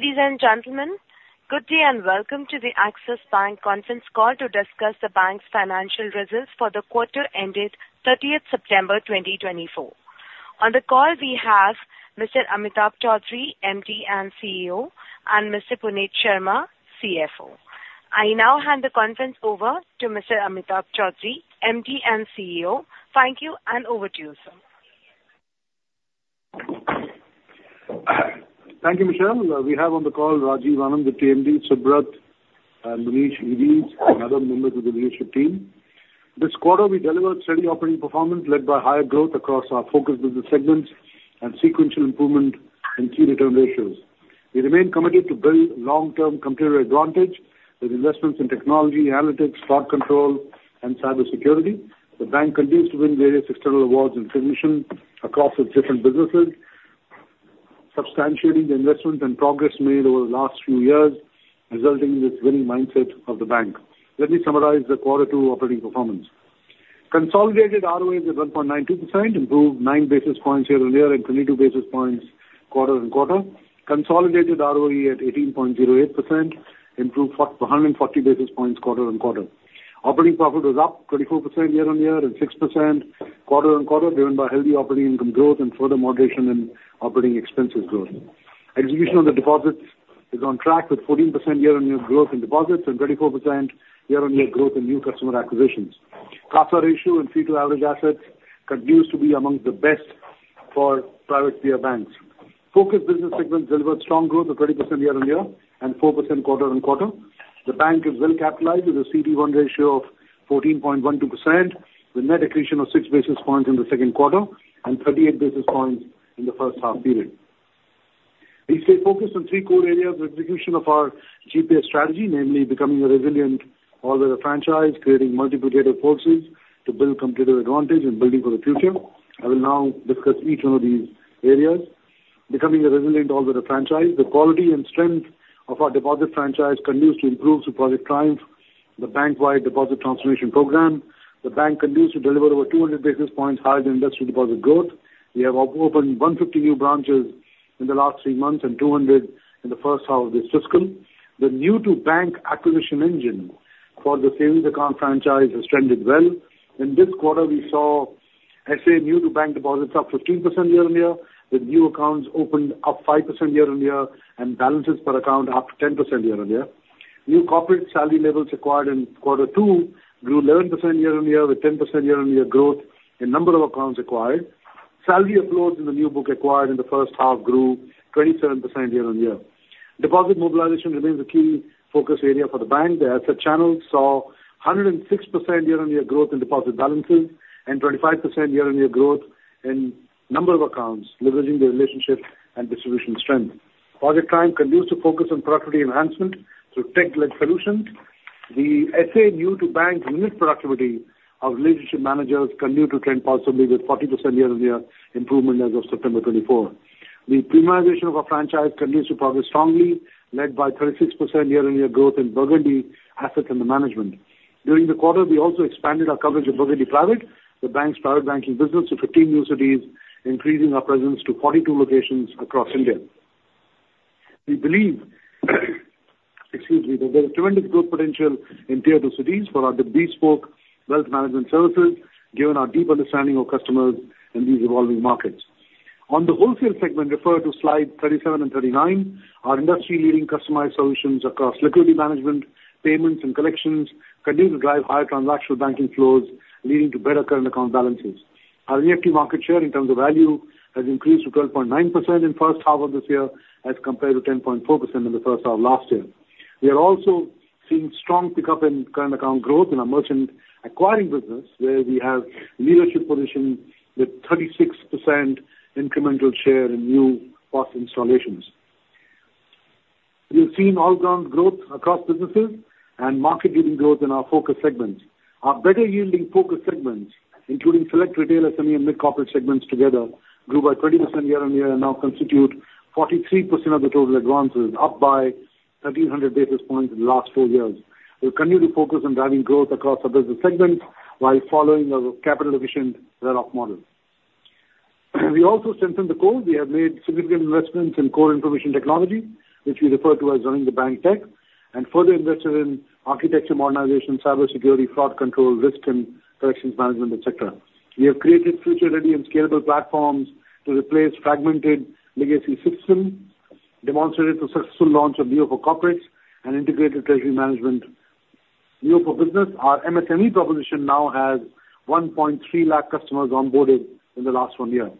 Ladies and gentlemen, good day and welcome to the Axis Bank conference call to discuss the bank's financial results for the quarter ended thirtieth September twenty twenty-four. On the call, we have Mr. Amitabh Chaudhry, MD and CEO, and Mr. Puneet Sharma, CFO. I now hand the conference over to Mr. Amitabh Chaudhry, MD and CEO. Thank you, and over to you, sir. Thank you, Michelle. We have on the call Rajiv Anand, the DMD, Subrat and Munish, EDs, and other members of the leadership team. This quarter, we delivered steady operating performance, led by higher growth across our focus business segments and sequential improvement in key return ratios. We remain committed to build long-term competitive advantage with investments in technology, analytics, fraud control and cybersecurity. The bank continues to win various external awards and recognition across its different businesses, substantiating the investment and progress made over the last few years, resulting in this winning mindset of the bank. Let me summarize the quarter two operating performance. Consolidated ROA is at 1.92%, improved nine basis points year-on-year and 22 basis points quarter-on-quarter. Consolidated ROE at 18.08%, improved a 140 basis points quarter-on-quarter. Operating profit was up 24% year-on-year and 6% quarter-on-quarter, driven by healthy operating income growth and further moderation in operating expenses growth. Execution on the deposits is on track, with 14% year-on-year growth in deposits and 24% year-on-year growth in new customer acquisitions. CASA ratio and fee to average assets continues to be among the best for private tier banks. Focus business segments delivered strong growth of 20% year-on-year and 4% quarter-on-quarter. The bank is well capitalized with a CET-1 ratio of 14.12%, with net accretion of six basis points in the second quarter and 38 basis points in the first half period. We stay focused on three core areas of execution of our GPS strategy, namely becoming a resilient all-weather franchise, creating multiplicative forces to build competitive advantage and building for the future. I will now discuss each one of these areas. Becoming a resilient all-weather franchise. The quality and strength of our deposit franchise continues to improve through Project Triumph, the bank-wide deposit transformation program. The bank continues to deliver over 200 basis points higher than industry deposit growth. We have opened 150 new branches in the last three months and 200 in the first half of this fiscal. The new to bank acquisition engine for the savings account franchise has trended well. In this quarter, we saw SA new to bank deposits up 15% year-on-year, with new accounts opened up 5% year-on-year and balances per account up 10% year-on-year. New corporate salary levels acquired in Q2 grew 11% year-on-year, with 10% year-on-year growth in number of accounts acquired. Salary uploads in the new book acquired in the first half grew 27% year-on-year. Deposit mobilization remains a key focus area for the bank. The asset channel saw 106% year-on-year growth in deposit balances and 25% year-on-year growth in number of accounts, leveraging the relationship and distribution strength. Project Triumph continues to focus on productivity enhancement through tech-led solutions. The SME new to bank unit productivity of relationship managers continue to trend positively, with 40% year-on-year improvement as of September 2024. The premiumization of our franchise continues to progress strongly, led by 36% year-on-year growth in Burgundy assets under management. During the quarter, we also expanded our coverage of Burgundy Private, the bank's private banking business to 15 new cities, increasing our presence to 42 locations across India. We believe, excuse me, that there is tremendous growth potential in tier two cities for our bespoke wealth management services, given our deep understanding of customers in these evolving markets. On the wholesale segment, refer to slide 37 and 39. Our industry-leading customized solutions across liquidity management, payments and collections continue to drive higher transactional banking flows, leading to better current account balances. Our relative market share in terms of value has increased to 12.9% in first half of this year as compared to 10.4% in the first half of last year. We are also seeing strong pickup in current account growth in our merchant acquiring business, where we have leadership position with 36% incremental share in new POS installations. We've seen all-around growth across businesses and market-leading growth in our focus segments. Our better yielding focus segments, including select retail, SME, and mid-corporate segments together, grew by 20% year-on-year and now constitute 43% of the total advances, up by thirteen hundred basis points in the last four years. We'll continue to focus on driving growth across our business segments while following our capital efficient roll-off model. We also strengthened the core. We have made significant investments in core information technology, which we refer to as running the bank tech, and further invested in architecture modernization, cybersecurity, fraud control, risk and collections management, et cetera. We have created future-ready and scalable platforms to replace fragmented legacy systems, demonstrated the successful launch of Neo for Corporates and integrated treasury management. Neo for Business, our MSME proposition now has 1.3 lakh customers onboarded in the last one year.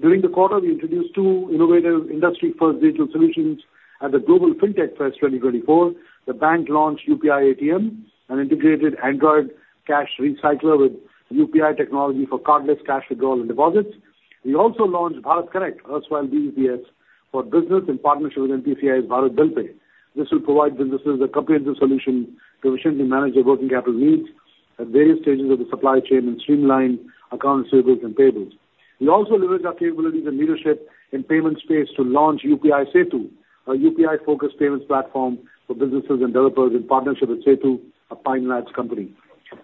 During the quarter, we introduced two innovative industry-first digital solutions at the Global Fintech Fest 2024. The bank launched UPI ATM, an integrated Android cash recycler with UPI technology for cardless cash withdrawal and deposits. We also launched Bharat Connect, erstwhile BBPS, for business in partnership with NPCI's Bharat BillPay. This will provide businesses a comprehensive solution to efficiently manage their working capital needs at various stages of the supply chain and streamline account receivables and payables. We also leveraged our capabilities and leadership in payment space to launch UPI Setu, a UPI-focused payments platform for businesses and developers in partnership with Setu, a Pine Labs company...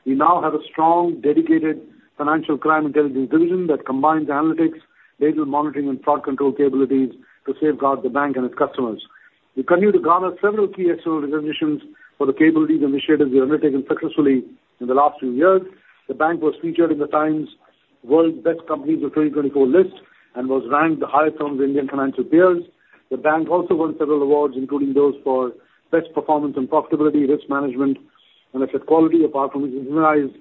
We now have a strong, dedicated financial crime intelligence division that combines analytics, data monitoring and fraud control capabilities to safeguard the bank and its customers. We continue to garner several key external recognitions for the capabilities initiatives we have undertaken successfully in the last few years. The bank was featured in the TIME World's Best Companies of 2024 list, and was ranked the highest among the Indian financial peers. The bank also won several awards, including those for best performance and profitability, risk management, and asset quality, apart from recognized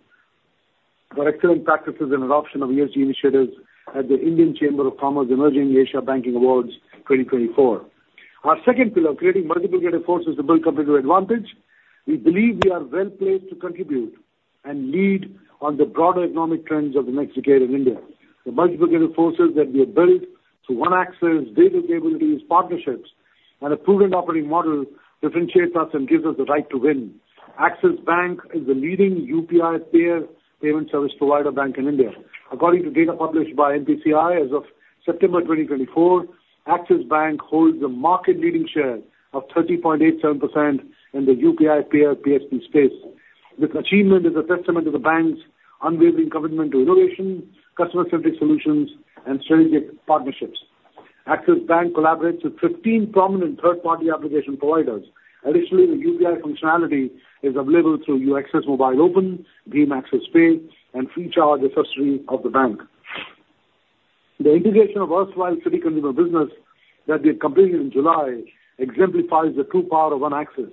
for excellent practices and adoption of ESG initiatives at the Indian Chamber of Commerce Emerging Asia Banking Awards 2024. Our second pillar, creating multiplicative forces to build competitive advantage. We believe we are well-placed to contribute and lead on the broader economic trends of the next decade in India. The multiplicative forces that we have built through One Axis, data capabilities, partnerships, and a prudent operating model differentiates us and gives us the right to win. Axis Bank is the leading UPI peer payment service provider bank in India. According to data published by NPCI, as of September twenty twenty-four, Axis Bank holds a market leading share of 30.87% in the UPI peer PSP space. This achievement is a testament to the bank's unwavering commitment to innovation, customer-centric solutions, and strategic partnerships. Axis Bank collaborates with 15 prominent third-party application providers. Additionally, the UPI functionality is available through your Axis Mobile, Open by Axis, Freecharge, Axis Pay, and accessories of the bank. The integration of Erstwhile City customer business that we completed in July exemplifies the true power of One Axis.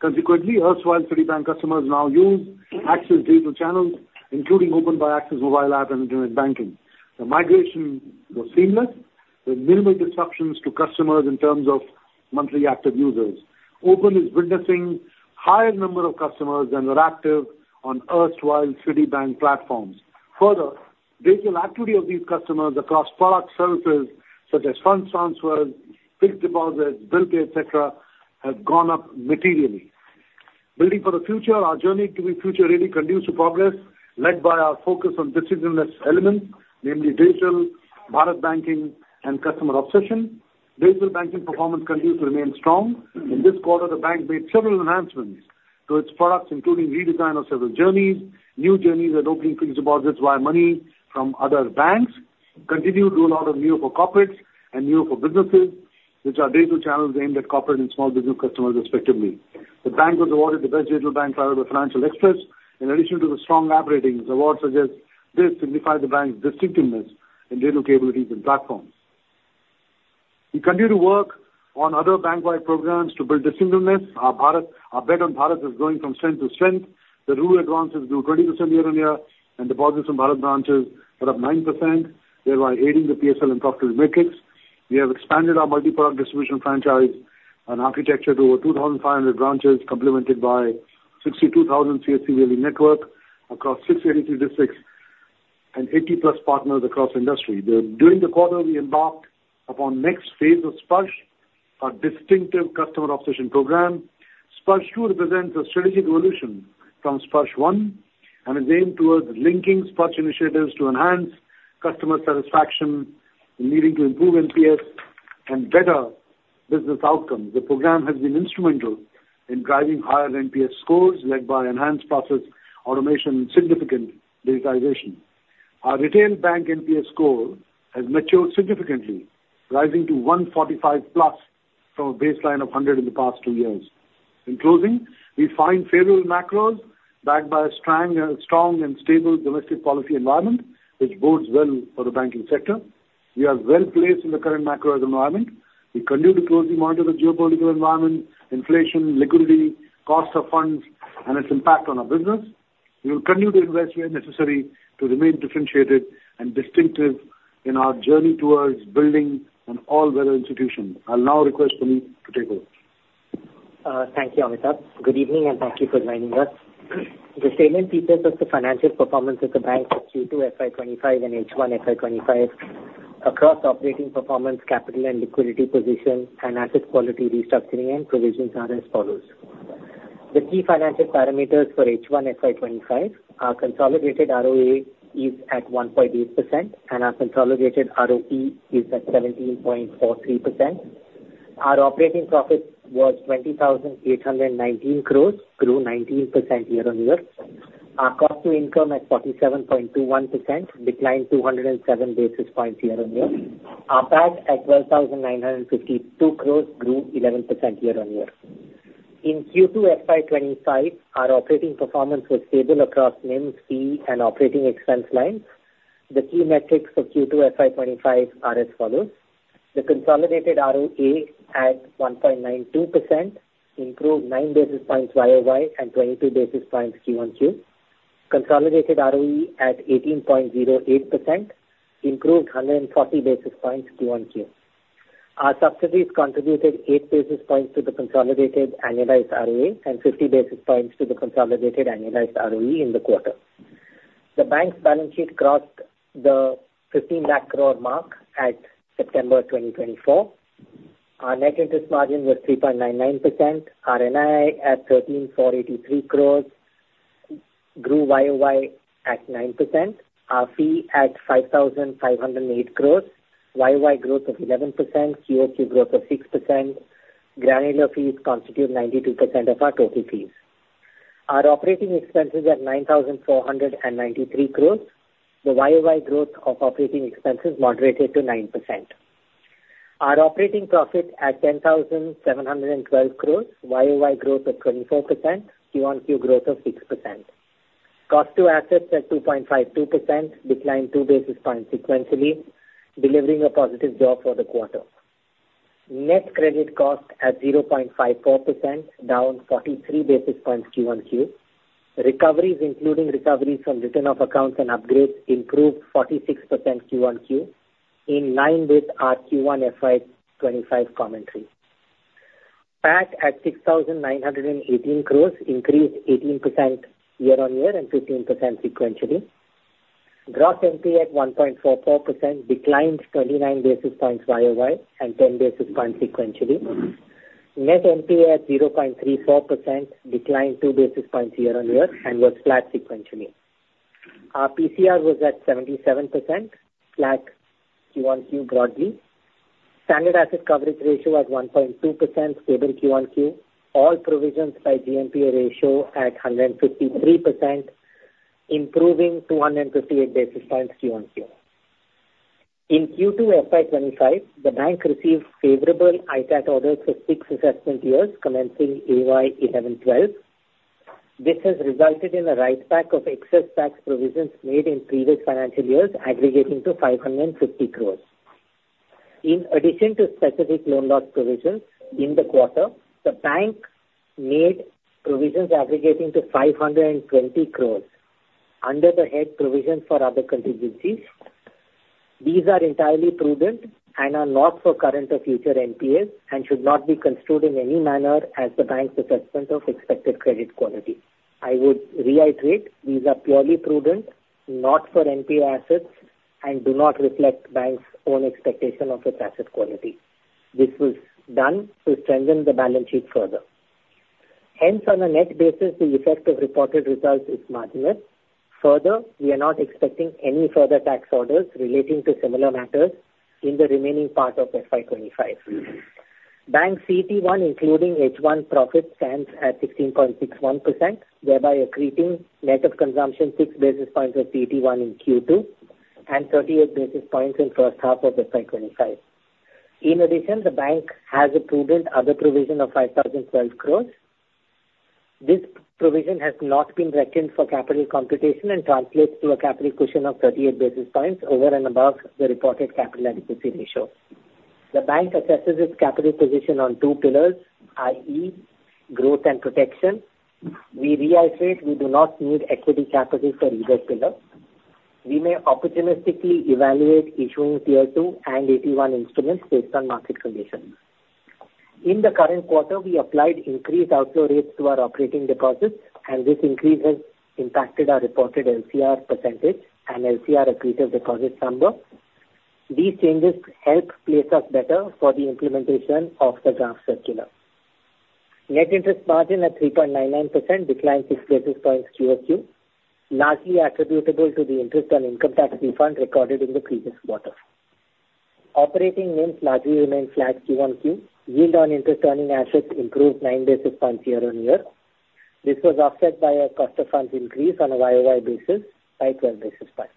Consequently, Erstwhile City Bank customers now use Axis digital channels, including Open by Axis mobile app and internet banking. The migration was seamless, with minimal disruptions to customers in terms of monthly active users. by Axis is witnessing higher number of customers than were active on erstwhile Citibank platforms. Further, digital activity of these customers across product services such as fund transfers, fixed deposits, bill pay, et cetera, have gone up materially. Building for the future, our journey to the future really continues to progress, led by our focus on distinctiveness elements, namely digital, Bharat banking, and customer obsession. Digital banking performance continues to remain strong. In this quarter, the bank made several enhancements to its products, including redesign of several journeys, new journeys, and opening fixed deposits via money from other banks, continued to roll out of Neo for Corporates and Neo for Business, which are digital channels aimed at corporate and small business customers, respectively. The bank was awarded the Best Digital Bank by the Financial Express. In addition to the strong lab ratings, awards suggest this signifies the bank's distinctiveness in digital capabilities and platforms. We continue to work on other bank-wide programs to build distinctiveness. Our Bharat, our bet on Bharat, is going from strength to strength. The rural advances grew 20% year-on-year, and deposits from Bharat branches are up 9%, thereby aiding the PSL and profit metrics. We have expanded our multi-product distribution franchise and architecture to over 2,500 branches, complemented by 62,000 CSB only network across 683 districts and 80+ partners across industry. During the quarter, we embarked upon next phase of Sparsh, our distinctive customer obsession program. Sparsh 2.0 represents a strategic evolution from Sparsh 1.0, and is aimed towards linking Sparsh initiatives to enhance customer satisfaction, leading to improved NPS and better business outcomes. The program has been instrumental in driving higher NPS scores, led by enhanced process automation and significant digitization. Our retail bank NPS score has matured significantly, rising to 145+ from a baseline of 100 in the past two years. In closing, we find favorable macros backed by a strong and stable domestic policy environment, which bodes well for the banking sector. We are well placed in the current macro environment. We continue to closely monitor the geopolitical environment, inflation, liquidity, cost of funds, and its impact on our business. We will continue to invest where necessary to remain differentiated and distinctive in our journey towards building an all-weather institution. I'll now request Puneet to take over. Thank you, Amitabh. Good evening, and thank you for joining us. The statement details of the financial performance of the bank for Q2 FY 2025 and H1 FY 2025 across operating performance, capital and liquidity position, and asset quality restructuring and provisions are as follows: The key financial parameters for H1 FY 2025, our consolidated ROA is at 1.8%, and our consolidated ROE is at 17.43%. Our operating profit was 20,819 crore, grew 19% year-on-year. Our cost to income at 47.21%, declined 207 basis points year-on-year. Our PAT at INR 12,952 crore, grew 11% year-on-year. In Q2 FY 2025, our operating performance was stable across NIM, fee, and operating expense lines. The key metrics for Q2 FY25 are as follows: The consolidated ROA at 1.92%, improved 9 basis points YoY and 22 basis points Q1Q. Consolidated ROE at 18.08%, improved 140 basis points Q1Q. Our subsidiaries contributed 8 basis points to the consolidated annualized ROA and 50 basis points to the consolidated annualized ROE in the quarter. The bank's balance sheet crossed the 15 lakh crore mark at September 2024. Our net interest margin was 3.99%. Our NII at 13,483 crore, grew YoY at 9%. Our fees at 5,508 crore; YoY growth of 11%, QoQ growth of 6%. Granular fees constitute 92% of our total fees. Our operating expenses are 9,493 crore. The YoY growth of operating expenses moderated to 9%. Our operating profit at 10,712 crores, YoY growth of 24%, QoQ growth of 6%. Cost to assets at 2.52%, declined two basis points sequentially, delivering a positive jaw for the quarter. Net credit cost at 0.54%, down forty-three basis points QoQ. Recoveries, including recoveries from written-off accounts and upgrades, improved 46% QoQ, in line with our Q1 FY 2025 commentary. PAT at 6,918 crores, increased 18% year-on-year and 15% sequentially. Gross NPA at 1.44%, declined 29 basis points YoY and ten basis points sequentially. Net NPA at 0.34%, declined two basis points year-on-year and was flat sequentially. Our PCR was at 77%, flat QoQ broadly. Standard asset coverage ratio at 1.2%, stable QoQ. All provisions by GNPA ratio at 153%, improving to 158 basis points QoQ. In Q2 FY 2025, the bank received favorable ITAT orders for six assessment years, commencing AY 2011-12. This has resulted in a write back of excess tax provisions made in previous financial years, aggregating to 550 crores. In addition to specific loan loss provisions, in the quarter, the bank made provisions aggregating to 520 crores under the head provision for other contingencies. These are entirely prudent and are not for current or future NPAs, and should not be construed in any manner as the bank's assessment of expected credit quality. I would reiterate, these are purely prudent, not for NPA assets, and do not reflect bank's own expectation of its asset quality. This was done to strengthen the balance sheet further. Hence, on a net basis, the effect of reported results is marginal. Further, we are not expecting any further tax orders relating to similar matters in the remaining part of FY 2025. Bank CET1, including H1 profits, stands at 16.61%, thereby accreting net of consumption six basis points of CET1 in Q2, and 38 basis points in first half of FY 2025. In addition, the bank has a prudent other provision of 5,012 crore. This provision has not been reckoned for capital computation and translates to a capital cushion of 38 basis points over and above the reported capital adequacy ratio. The bank assesses its capital position on two pillars, i.e., growth and protection. We reiterate, we do not need equity capital for either pillar. We may opportunistically evaluate issuing Tier two and AT1 instruments based on market conditions. In the current quarter, we applied increased outflow rates to our operating deposits, and this increase has impacted our reported LCR percentage and LCR accreted deposits number. These changes help place us better for the implementation of the draft circular. Net interest margin at 3.99%, declined six basis points QoQ, largely attributable to the interest on income tax refund recorded in the previous quarter. Operating NIMs largely remained flat QoQ. Yield on interest earning assets improved nine basis points year-on-year. This was offset by a cost of funds increase on a YoY basis by 12 basis points,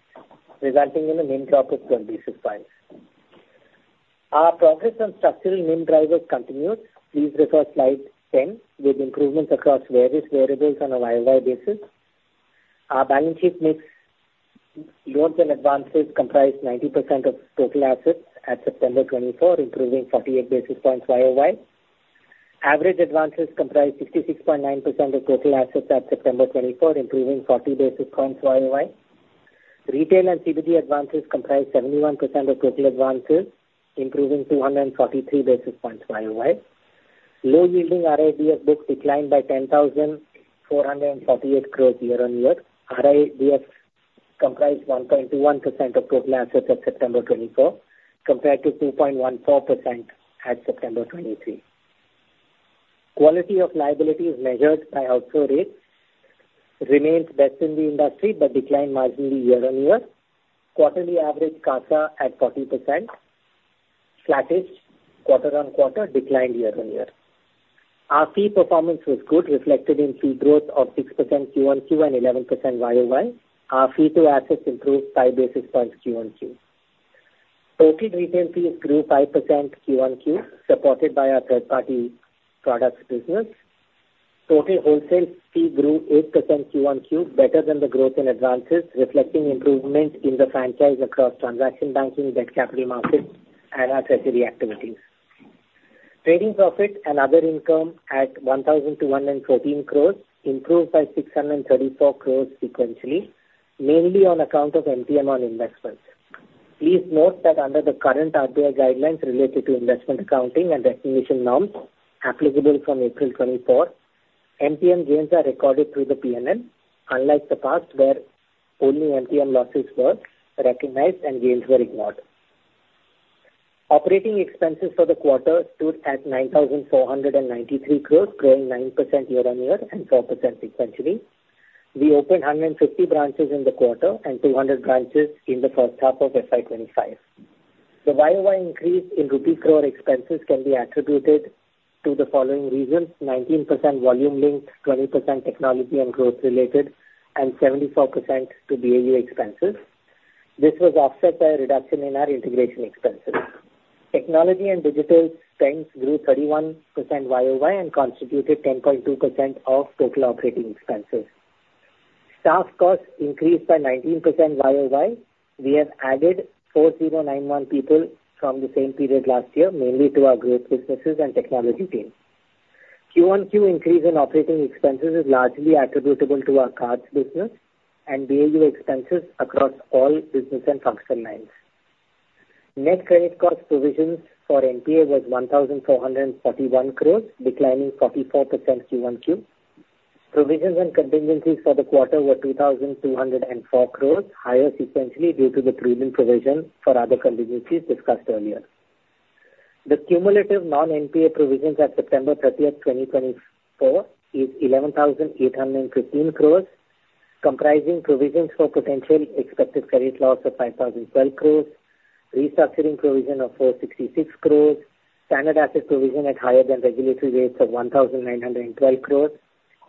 resulting in a NIM drop of 12 basis points. Our progress on structural NIM drivers continues. Please refer slide 10, with improvements across various variables on a YoY basis. Our balance sheet mix, loans and advances comprise 90% of total assets at September 2024, improving 48 basis points YoY. Average advances comprise 66.9% of total assets at September 2024, improving 40 basis points YoY. Retail and CBD advances comprise 71% of total advances, improving to 143 basis points YoY. Low-yielding RIA BF books declined by 10,448 crores year-on-year. RIA BFs comprise 1.1% of total assets at September 2024, compared to 2.14% at September 2023. Quality of liabilities measured by outflow rates remains best in the industry, but declined marginally year-on-year. Quarterly average CASA at 40%, flattish quarter-on-quarter, declined year-on-year. Our fee performance was good, reflected in fee growth of 6% QoQ and 11% YoY. Our fee to assets improved five basis points QoQ. Total retail fees grew 5% QoQ, supported by our third-party products business. Total wholesale fee grew 8% QoQ, better than the growth in advances, reflecting improvement in the franchise across transaction banking, debt capital markets and our treasury activities. Trading profit and other income at 1,114 crore, improved by 634 crore sequentially, mainly on account of NPM on investments. Please note that under the current RBI guidelines related to investment accounting and recognition norms applicable from April 2024, NPM gains are recorded through the PNL, unlike the past, where only NPM losses were recognized and gains were ignored. Operating expenses for the quarter stood at 9,493 crore, growing 9% year-on-year and 4% sequentially. We opened 150 branches in the quarter and 200 branches in the first half of FY 2025. The YoY increase in rupee crore expenses can be attributed to the following reasons: 19% volume linked, 20% technology and growth related, and 74% to BAU expenses. This was offset by a reduction in our integration expenses. Technology and digital spends grew 31% YoY and constituted 10.2% of total operating expenses. Staff costs increased by 19% YoY. We have added 4,091 people from the same period last year, mainly to our growth businesses and technology teams. Q1Q increase in operating expenses is largely attributable to our cards business and BAU expenses across all business and functional lines. Net credit cost provisions for NPA was 1,441 crores, declining 44% Q1Q. Provisions and contingencies for the quarter were 2,204 crores, higher sequentially, due to the provision for other contingencies discussed earlier. The cumulative non-NPA provisions at September thirtieth, 2024, is 11,815 crores, comprising provisions for potential expected credit loss of 5,012 crores, restructuring provision of 466 crores, standard asset provision at higher than regulatory rates of 1,912 crores,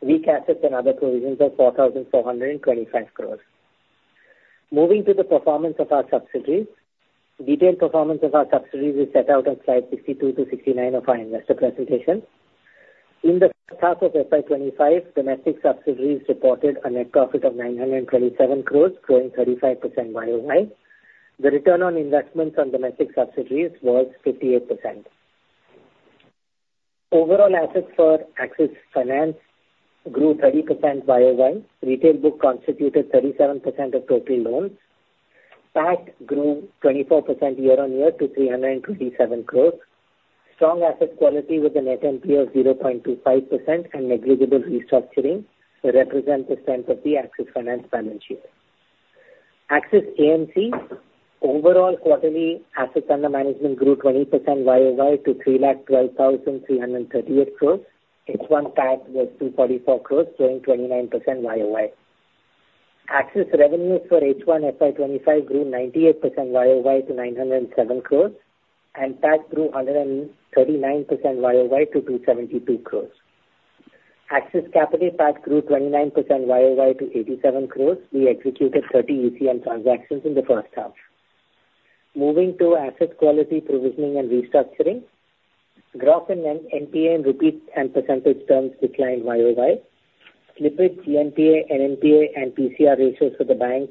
weak assets and other provisions of 4,425 crores. Moving to the performance of our subsidiaries. Detailed performance of our subsidiaries is set out on slides 62 to 69 of our investor presentation. In the first half of FY 2025, domestic subsidiaries reported a net profit of 927 crores, growing 35% YoY. The return on investments on domestic subsidiaries was 58%. Overall assets for Axis Finance grew 30% YoY. Retail book constituted 37% of total loans. PAT grew 24% year-on-year to 327 crore. Strong asset quality with a net NPA of 0.25% and negligible restructuring represent the strength of the Axis Finance balance sheet. Axis AMC, overall quarterly assets under management grew 20% YoY to 312,338 crore. H1 PAT was 244 crore, growing 29% YoY. Axis revenues for H1 FY 2025 grew 98% YoY to 907 crore, and PAT grew 139% YoY to 272 crore. Axis Capital PAT grew 29% YoY to 87 crore. We executed 30 ECM transactions in the first half. Moving to asset quality provisioning and restructuring. Gross NPA in INR and percentage terms declined YoY. Slippages, GNPA and NPA and PCR ratios for the bank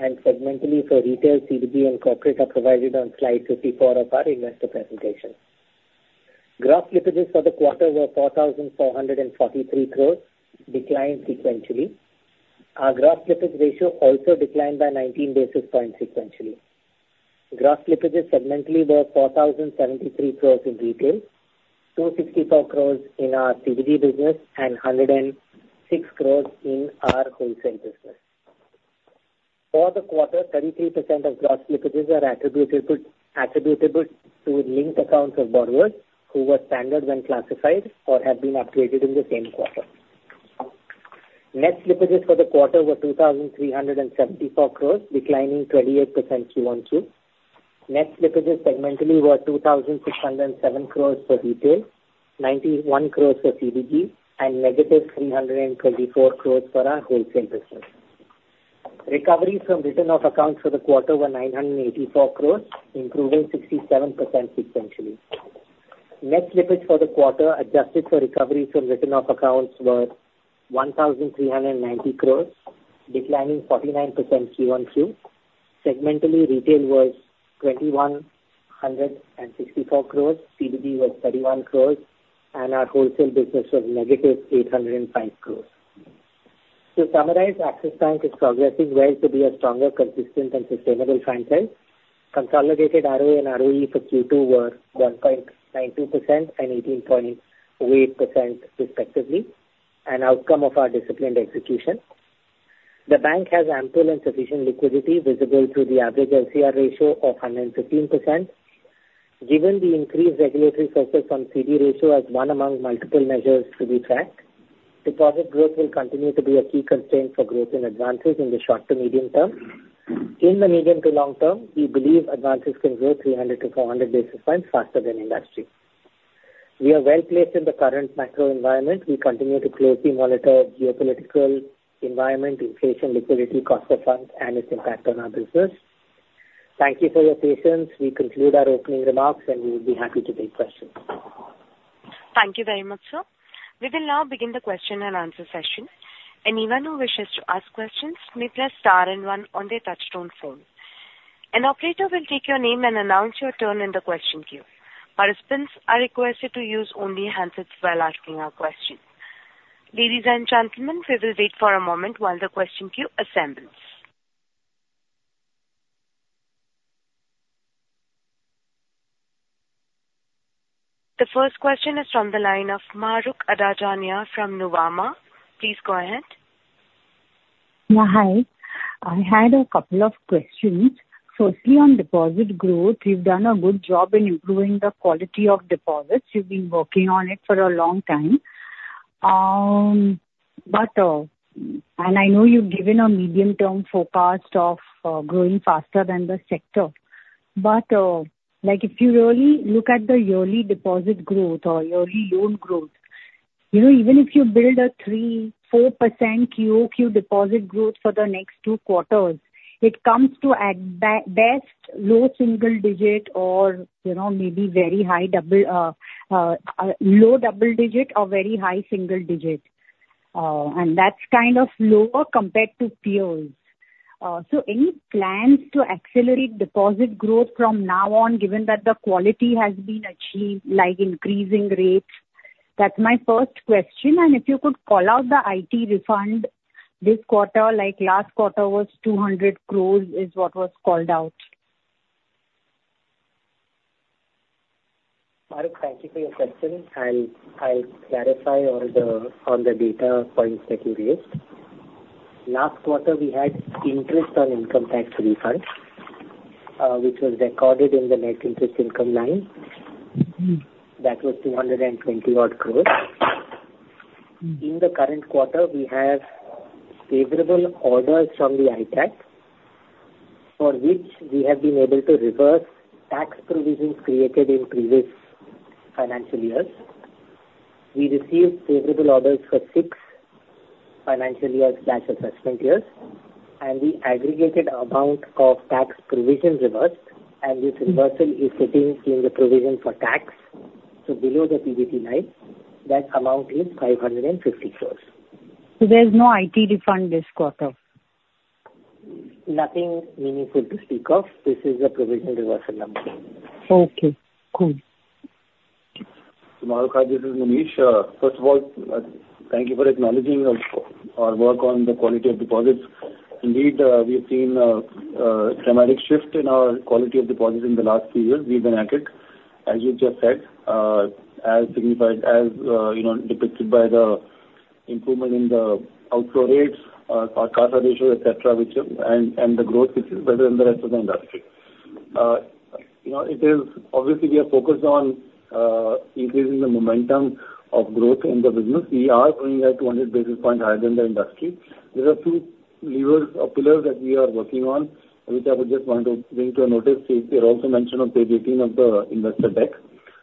and segmentally for retail, CBD and corporate, are provided on slide 54 of our investor presentation. Gross slippages for the quarter were 4,443 crores, declined sequentially. Our gross slippage ratio also declined by 19 basis points sequentially. Gross slippages segmentally were 4,073 crores in retail, 264 crores in our CBD business, and 106 crores in our wholesale business. For the quarter, 33% of gross slippages are attributed to, attributable to linked accounts of borrowers who were standard when classified or have been upgraded in the same quarter. Net slippages for the quarter were 2,374 crores, declining 28% Q1Q. Net slippages segmentally were 2,607 crore for Retail, 91 crore for CBG, and -324 crore for our wholesale business. Recoveries from written-off accounts for the quarter were 984 crore, improving 67% sequentially. Net slippage for the quarter, adjusted for recoveries from written-off accounts, were 1,390 crore, declining 49% QoQ. Segmentally, Retail was 2,164 crore, CBG was 31 crore, and our wholesale business was -805 crore. To summarize, Axis Bank is progressing well to be a stronger, consistent and sustainable franchise. Consolidated ROE and ROE for Q2 were 1.92% and 18.8% respectively, an outcome of our disciplined execution. The bank has ample and sufficient liquidity, visible through the average LCR ratio of 115%. Given the increased regulatory focus on CD ratio as one among multiple measures to be tracked, deposit growth will continue to be a key constraint for growth in advances in the short to medium term. In the medium to long term, we believe advances can grow 300 to 400 basis points faster than industry. We are well placed in the current macro environment. We continue to closely monitor geopolitical environment, inflation, liquidity, cost of funds, and its impact on our business. Thank you for your patience. We conclude our opening remarks, and we will be happy to take questions. Thank you very much, sir. We will now begin the question-and-answer session. Anyone who wishes to ask questions may press star and one on their touch-tone phone. An operator will take your name and announce your turn in the question queue. Participants are requested to use only handsets while asking a question. Ladies and gentlemen, we will wait for a moment while the question queue assembles. The first question is from the line of Mahrukh Adajania from Nuvama. Please go ahead. Yeah, hi. I had a couple of questions. Firstly, on deposit growth, you've done a good job in improving the quality of deposits. You've been working on it for a long time. But, and I know you've given a medium-term forecast of, growing faster than the sector, but, like, if you really look at the yearly deposit growth or yearly loan growth, you know, even if you build a 3%-4% QoQ deposit growth for the next two quarters, it comes to at best, low single-digit or, you know, maybe very high double, low double-digit or very high single-digit, and that's kind of lower compared to peers. So any plans to accelerate deposit growth from now on, given that the quality has been achieved, like increasing rates? That's my first question. If you could call out the IT refund this quarter, like last quarter was 200 crore, is what was called out. Mahrukh, thank you for your question. I'll clarify all the data points that you raised. Last quarter, we had interest on income tax refunds, which was recorded in the net interest income line. Mm-hmm. That was 220 odd crore. Hmm. In the current quarter, we have favorable orders from the ITAT, for which we have been able to reverse tax provisions created in previous financial years. We received favorable orders for six financial years, that's assessment years, and the aggregated amount of tax provision reversed, and this reversal is sitting in the provision for tax, so below the PBT line, that amount is 550 crore. So there's no IT refund this quarter? Nothing meaningful to speak of. This is a provision reversal number. Okay, cool. So Mahrukh, this is Munish. First of all, thank you for acknowledging our, our work on the quality of deposits. Indeed, we have seen a, a dramatic shift in our quality of deposits in the last few years. We've been at it, as you just said, as signified as, you know, depicted by the improvement in the outflow rates, our CASA ratio, et cetera, and the growth, which is better than the rest of the industry. You know, it is obviously, we are focused on increasing the momentum of growth in the business. We are growing at 200 basis points higher than the industry. There are a few levers or pillars that we are working on, which I would just want to bring to your notice. They're also mentioned on page 18 of the investor deck.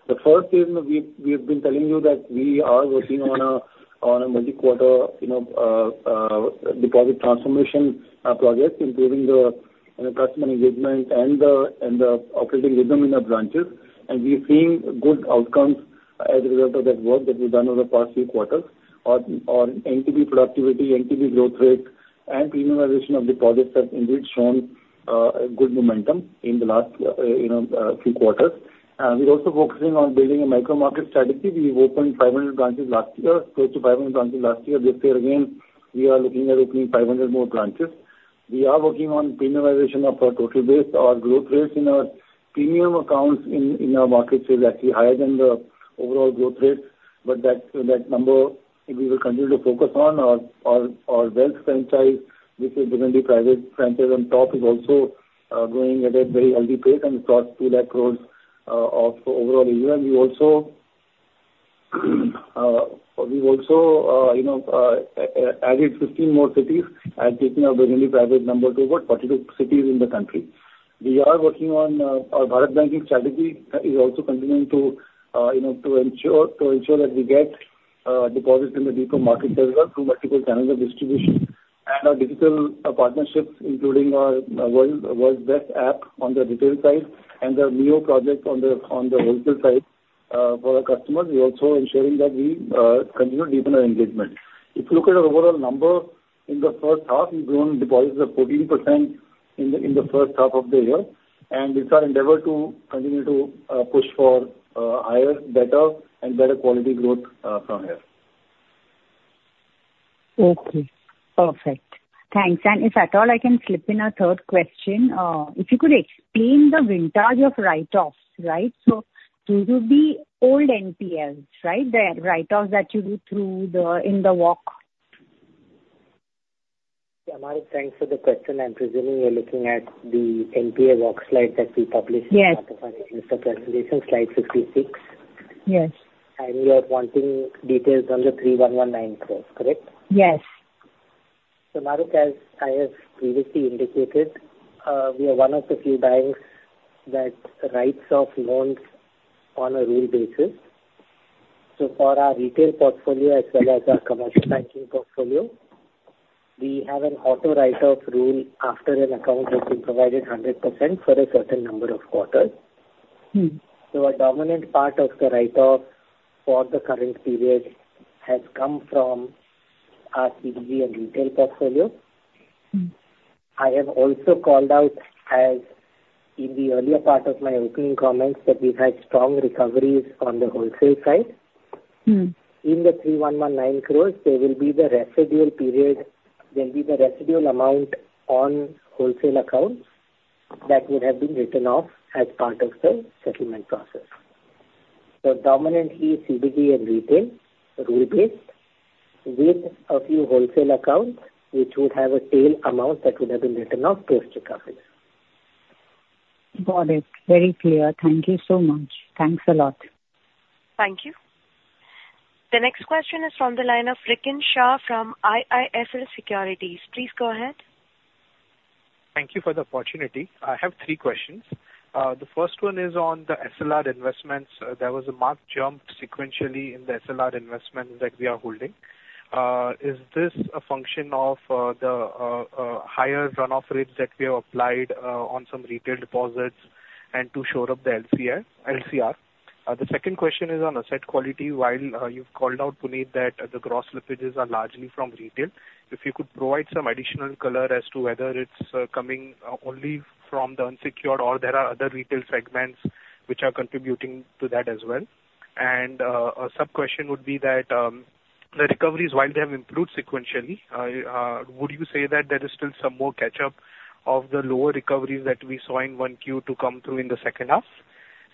The first is we've been telling you that we are working on a multi-quarter, you know, deposit transformation project, improving the, you know, customer engagement and the operating rhythm in our branches. We are seeing good outcomes as a result of that work that we've done over the past few quarters. On NTB productivity, NTB growth rate, and premiumization of deposits have indeed shown a good momentum in the last, you know, few quarters. We're also focusing on building a micro-market strategy. We've opened 500 branches last year, close to 500 branches last year. This year, again, we are looking at opening 500 more branches. We are working on premiumization of our total base. Our growth rates in our premium accounts in our markets is actually higher than the overall growth rate, but that number, we will continue to focus on. Our wealth franchise, which is within the private franchise on top, is also growing at a very healthy pace, and it's crossed 2 lakh crore of overall AUM. We also, we've also, you know, added 15 more cities and taking our within the private number to about 42 cities in the country. We are working on our Bharat Banking strategy is also continuing to you know to ensure that we get deposits in the deeper market as well through multiple channels of distribution. And our digital partnerships, including our world's best app on the Retail side and our Neo project on the wholesale side for our customers. We're also ensuring that we continue to deepen our engagement. If you look at our overall number, in the first half, we've grown deposits 14% in the first half of the year, and it's our endeavor to continue to push for higher, better, and better quality growth from here. Okay, perfect. Thanks. And if at all I can slip in a third question, if you could explain the vintage of write-offs, right? So these will be old NPLs, right? The write-offs that you do through the, in the walk. Yeah, Mahrukh, thanks for the question. I'm presuming you're looking at the NPL walk slide that we published- Yes. As part of our investor presentation, slide 56. Yes. And you are wanting details on the 3,119 crore, correct? Yes. Mahrukh, as I have previously indicated, we are one of the few banks that writes off loans on a regular basis. For our Retail portfolio, as well as our Commercial banking portfolio, we have an auto write-off rule after an account has been provisioned 100% for a certain number of quarters. Hmm. A dominant part of the write-off for the current period has come from our CBG and Retail portfolio. Hmm. I have also called out, as in the earlier part of my opening comments, that we've had strong recoveries on the wholesale side. Hmm. In the 3,119 crore, there will be the residual provision. There'll be the residual amount on wholesale accounts that would have been written off as part of the settlement process. So predominantly CBG and Retail will be with a few wholesale accounts, which would have a tail amount that would have been written off post recovery. Got it. Very clear. Thank you so much. Thanks a lot. Thank you. The next question is from the line of Rikin Shah from IIFL Securities. Please go ahead. Thank you for the opportunity. I have three questions. The first one is on the SLR investments. There was a marked jump sequentially in the SLR investments that we are holding. Is this a function of the higher run-off rates that we have applied on some Retail deposits and to shore up the LCR? The second question is on asset quality. While you've called out, Puneet, that the gross slippages are largely from Retail, if you could provide some additional color as to whether it's coming only from the unsecured or there are other Retail segments which are contributing to that as well. And, a sub-question would be that, the recoveries, while they have improved sequentially, would you say that there is still some more catch-up of the lower recoveries that we saw in 1Q to come through in the second half?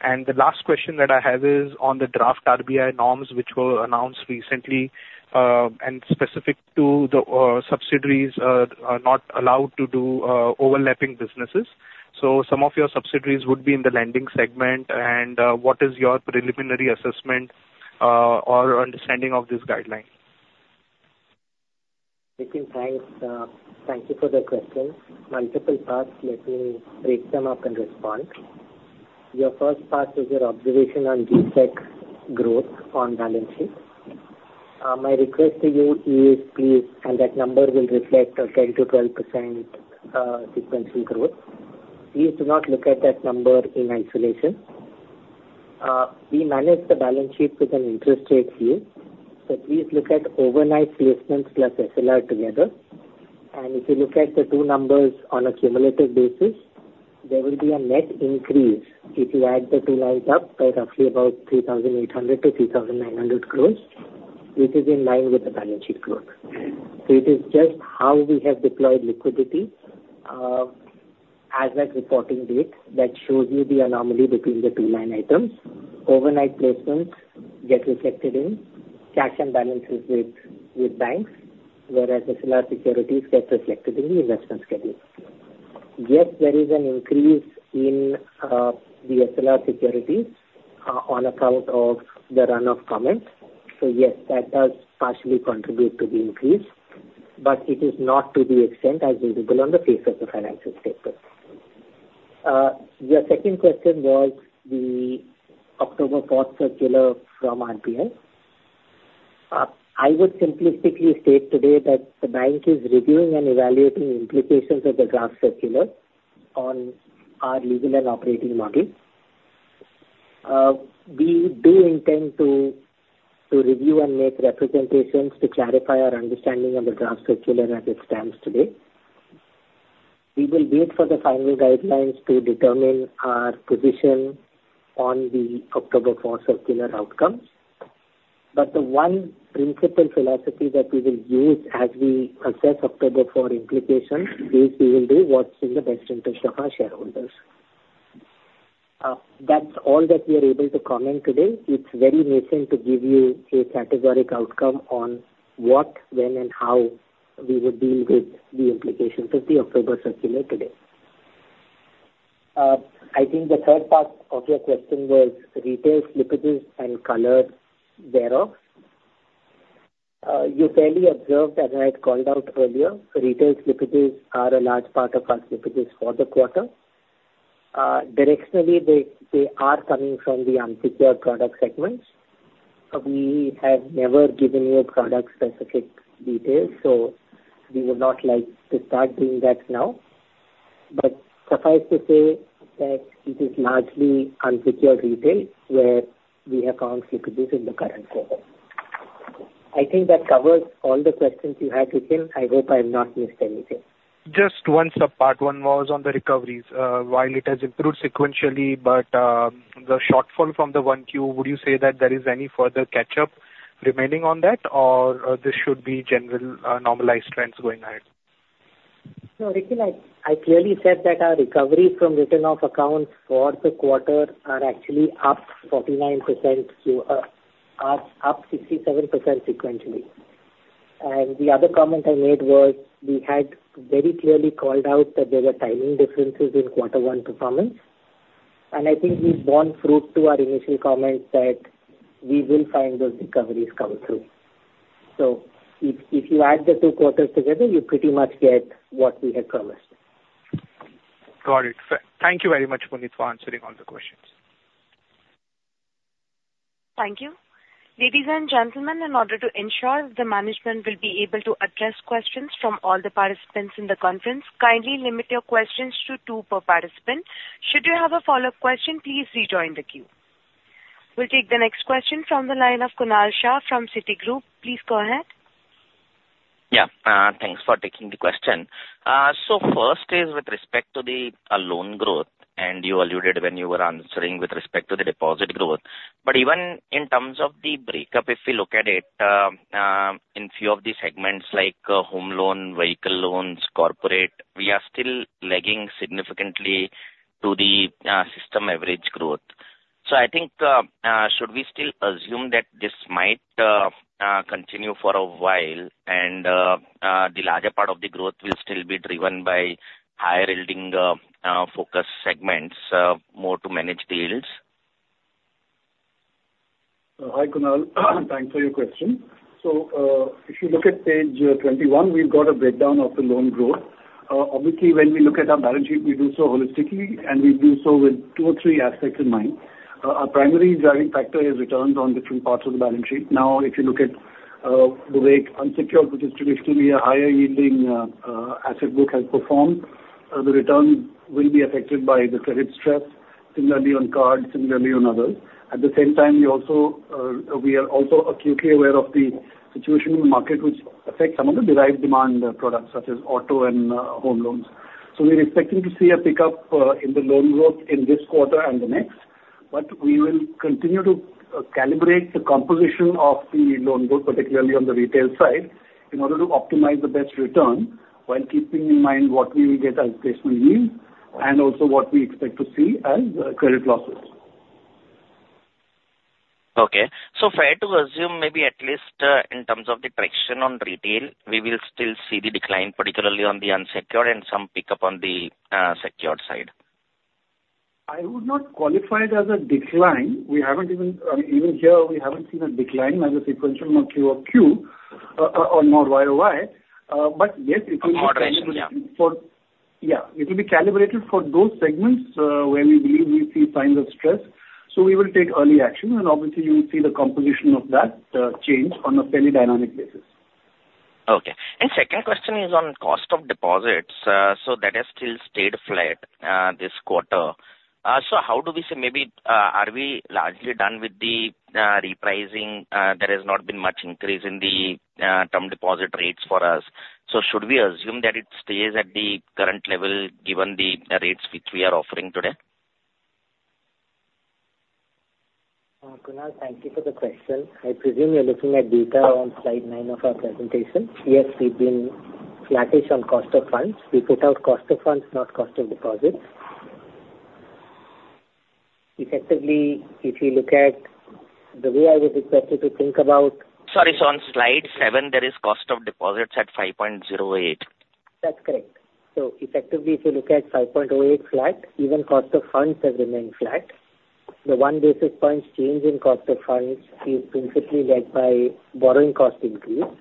And the last question that I have is on the draft RBI norms, which were announced recently, and specific to the subsidiaries are not allowed to do overlapping businesses. So some of your subsidiaries would be in the lending segment, and what is your preliminary assessment or understanding of this guideline? Rikin, thanks, thank you for the question. Multiple parts, let me break them up and respond. Your first part is your observation on GSEC growth on balance sheet. My request to you is, please, and that number will reflect a 10%-12% sequential growth. Please do not look at that number in isolation. We manage the balance sheet with an interest rate view, so please look at overnight placements plus SLR together. And if you look at the two numbers on a cumulative basis, there will be a net increase if you add the two lines up by roughly about 3,800-3,900 crore. This is in line with the balance sheet growth. So it is just how we have deployed liquidity, as at reporting date, that shows you the anomaly between the two line items. Overnight placements get reflected in cash and balances with banks, whereas SLR securities get reflected in the investment schedule. Yes, there is an increase in the SLR securities on account of the run-off comment. So yes, that does partially contribute to the increase, but it is not to the extent as visible on the face of the financial statement. Your second question was the October 4 Circular from RBI. I would simplistically state today that the bank is reviewing and evaluating implications of the draft circular on our legal and operating model. We do intend to review and make representations to clarify our understanding of the draft circular as it stands today. We will wait for the final guidelines to determine our position on the October 4 Circular outcome. But the one principle philosophy that we will use as we assess October 4 implications, is we will do what's in the best interest of our shareholders. That's all that we are able to comment today. It's very nascent to give you a categoric outcome on what, when, and how we would deal with the implications of the October Circular today. I think the third part of your question was Retail slippages and color thereof. You fairly observed, as I had called out earlier, Retail slippages are a large part of our slippages for the quarter. Directionally, they are coming from the unsecured product segments. We have never given you product-specific details, so we would not like to start doing that now. But suffice to say that it is largely unsecured Retail, where we have accounts slippages in the current quarter. I think that covers all the questions you had, Rikin. I hope I've not missed anything. Just one sub-part. One was on the recoveries. While it has improved sequentially, but the shortfall from the 1Q, would you say that there is any further catch-up remaining on that? Or, this should be general normalized trends going ahead? No, Rikin, I clearly said that our recovery from written-off accounts for the quarter are actually up 49% to up 67% sequentially. And the other comment I made was, we had very clearly called out that there were timing differences in quarter one performance, and I think we've borne fruit to our initial comments that we will find those recoveries come through. So if you add the two quarters together, you pretty much get what we had promised. Got it. Thank you very much, Puneet, for answering all the questions. Thank you. Ladies and gentlemen, in order to ensure the management will be able to address questions from all the participants in the conference, kindly limit your questions to two per participant. Should you have a follow-up question, please rejoin the queue. We'll take the next question from the line of Kunal Shah from Citigroup. Please go ahead. Yeah, thanks for taking the question. So first is with respect to the loan growth, and you alluded when you were answering with respect to the deposit growth. But even in terms of the breakup, if we look at it, in few of the segments like home loan, vehicle loans, corporate, we are still lagging significantly to the system average growth. So I think, should we still assume that this might continue for a while, and the larger part of the growth will still be driven by higher yielding focus segments, more to manage the yields? Hi, Kunal. Thanks for your question. So, if you look at page 21, we've got a breakdown of the loan growth. Obviously, when we look at our balance sheet, we do so holistically, and we do so with two or three aspects in mind. Our primary driving factor is returns on different parts of the balance sheet. Now, if you look at the way unsecured, which is traditionally a higher yielding asset book has performed, the return will be affected by the credit stress, similarly on card, similarly on others. At the same time, we are also acutely aware of the situation in the market which affects some of the derived demand products such as auto and home loans. So we're expecting to see a pickup in the loan growth in this quarter and the next, but we will continue to calibrate the composition of the loan growth, particularly on the Retail side, in order to optimize the best return, while keeping in mind what we will get as placement yield and also what we expect to see as credit losses. Okay. So fair to assume, maybe at least, in terms of the traction on Retail, we will still see the decline, particularly on the unsecured and some pickup on the secured side? I would not qualify it as a decline. We haven't even, even here, we haven't seen a decline as a sequential QoQ, or nor YoY. But yes, it will be- Or quarter, yeah. Yeah, it will be calibrated for those segments, where we believe we see signs of stress. So we will take early action, and obviously you will see the composition of that, change on a fairly dynamic basis. Okay. And second question is on cost of deposits. So that has still stayed flat this quarter. So how do we say maybe are we largely done with the repricing? There has not been much increase in the term deposit rates for us. So should we assume that it stays at the current level, given the rates which we are offering today? Kunal, thank you for the question. I presume you're looking at data on slide nine of our presentation. Yes, we've been flattish on cost of funds. We put out cost of funds, not cost of deposits. Effectively, if you look at the way I would expect you to think about- Sorry, so on slide seven, there is cost of deposits at 5.08. That's correct, so effectively, if you look at 5.08 flat, even cost of funds has remained flat. The one basis points change in cost of funds is principally led by borrowing cost increase.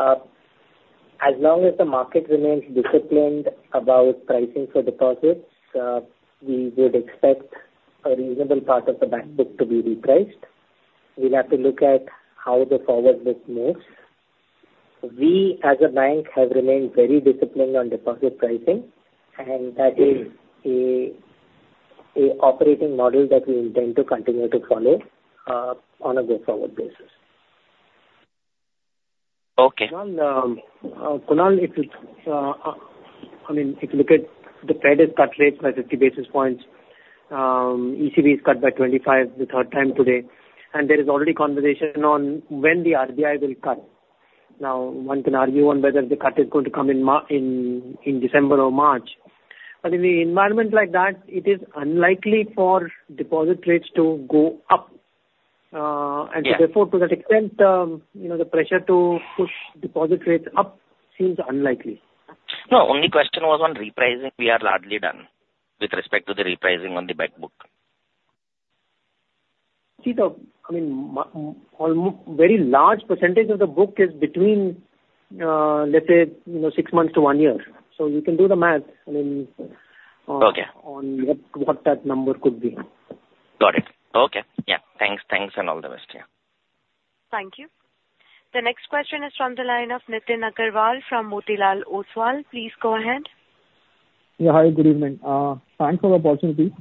As long as the market remains disciplined about pricing for deposits, we would expect a reasonable part of the bank book to be repriced. We'll have to look at how the forward book moves. We, as a bank, have remained very disciplined on deposit pricing, and that is a operating model that we intend to continue to follow, on a go-forward basis. Okay. Kunal, if it's, I mean, if you look at the Fed has cut rates by 50 basis points, ECB has cut by 25, the third time today, and there is already conversation on when the RBI will cut. Now, one can argue on whether the cut is going to come in December or March. But in the environment like that, it is unlikely for deposit rates to go up. Yeah. - and therefore, to that extent, you know, the pressure to push deposit rates up seems unlikely. No, only question was on repricing. We are largely done with respect to the repricing on the back book. I mean, very large percentage of the book is between, let's say, you know, six months to one year. So you can do the math, I mean. Okay. On what that number could be. Got it. Okay. Yeah. Thanks. Thanks, and all the best. Yeah. Thank you. The next question is from the line of Nitin Aggarwal from Motilal Oswal. Please go ahead. Yeah, hi, good evening. Thanks for the opportunity.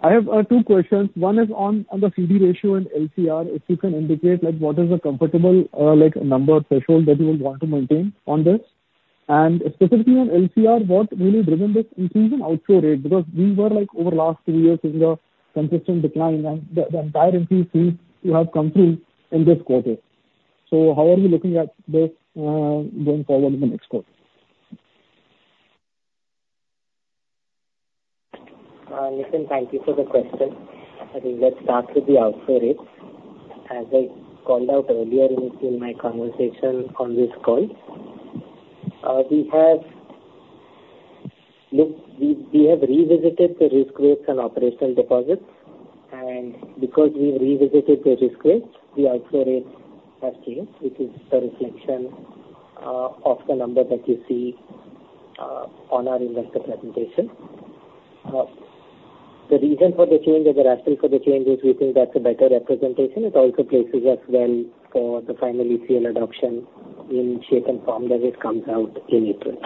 I have two questions. One is on the CD ratio and LCR, if you can indicate, like, what is a comfortable, like, number or threshold that you will want to maintain on this? And specifically on LCR, what really driven this increase in outflow rate? Because we were like over last three years in a consistent decline, and the entire increase seems to have come through in this quarter. So how are you looking at this, going forward in the next quarter? Nithin, thank you for the question. I think let's start with the outflow rates. As I called out earlier in my conversation on this call, we have revisited the risk rates and operational deposits, and because we revisited the risk rates, the outflow rates have changed, which is a reflection of the number that you see on our investor presentation. The reason for the change or the rationale for the change is we think that's a better representation. It also places us well for the final ECL adoption in shape and form that it comes out in April,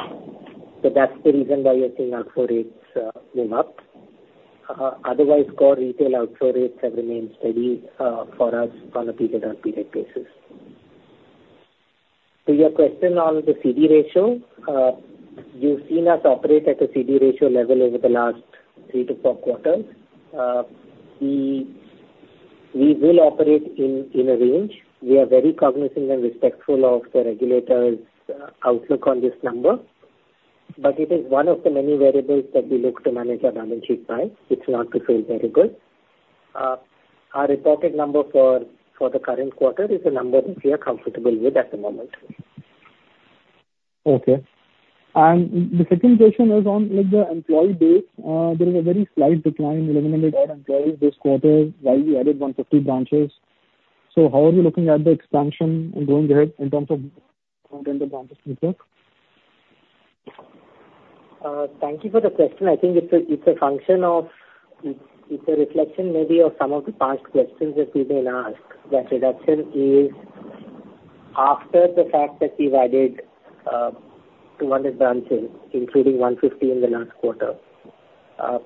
so that's the reason why you're seeing outflow rates move up. Otherwise, core Retail outflow rates have remained steady for us on a period-on-period basis. To your question on the CD ratio, you've seen us operate at a CD ratio level over the last three to four quarters. We will operate in a range. We are very cognizant and respectful of the regulators' outlook on this number, but it is one of the many variables that we look to manage our balance sheet by. It's not the same variable. Our reported number for the current quarter is a number we are comfortable with at the moment. Okay. And the second question is on, like, the employee base. There is a very slight decline, 1100 employees this quarter, while we added 150 branches. So how are you looking at the expansion going ahead in terms of? Thank you for the question. I think it's a function of, it's a reflection maybe of some of the past questions that we've been asked, that reduction is after the fact that we've added 200 branches, including 150 in the last quarter.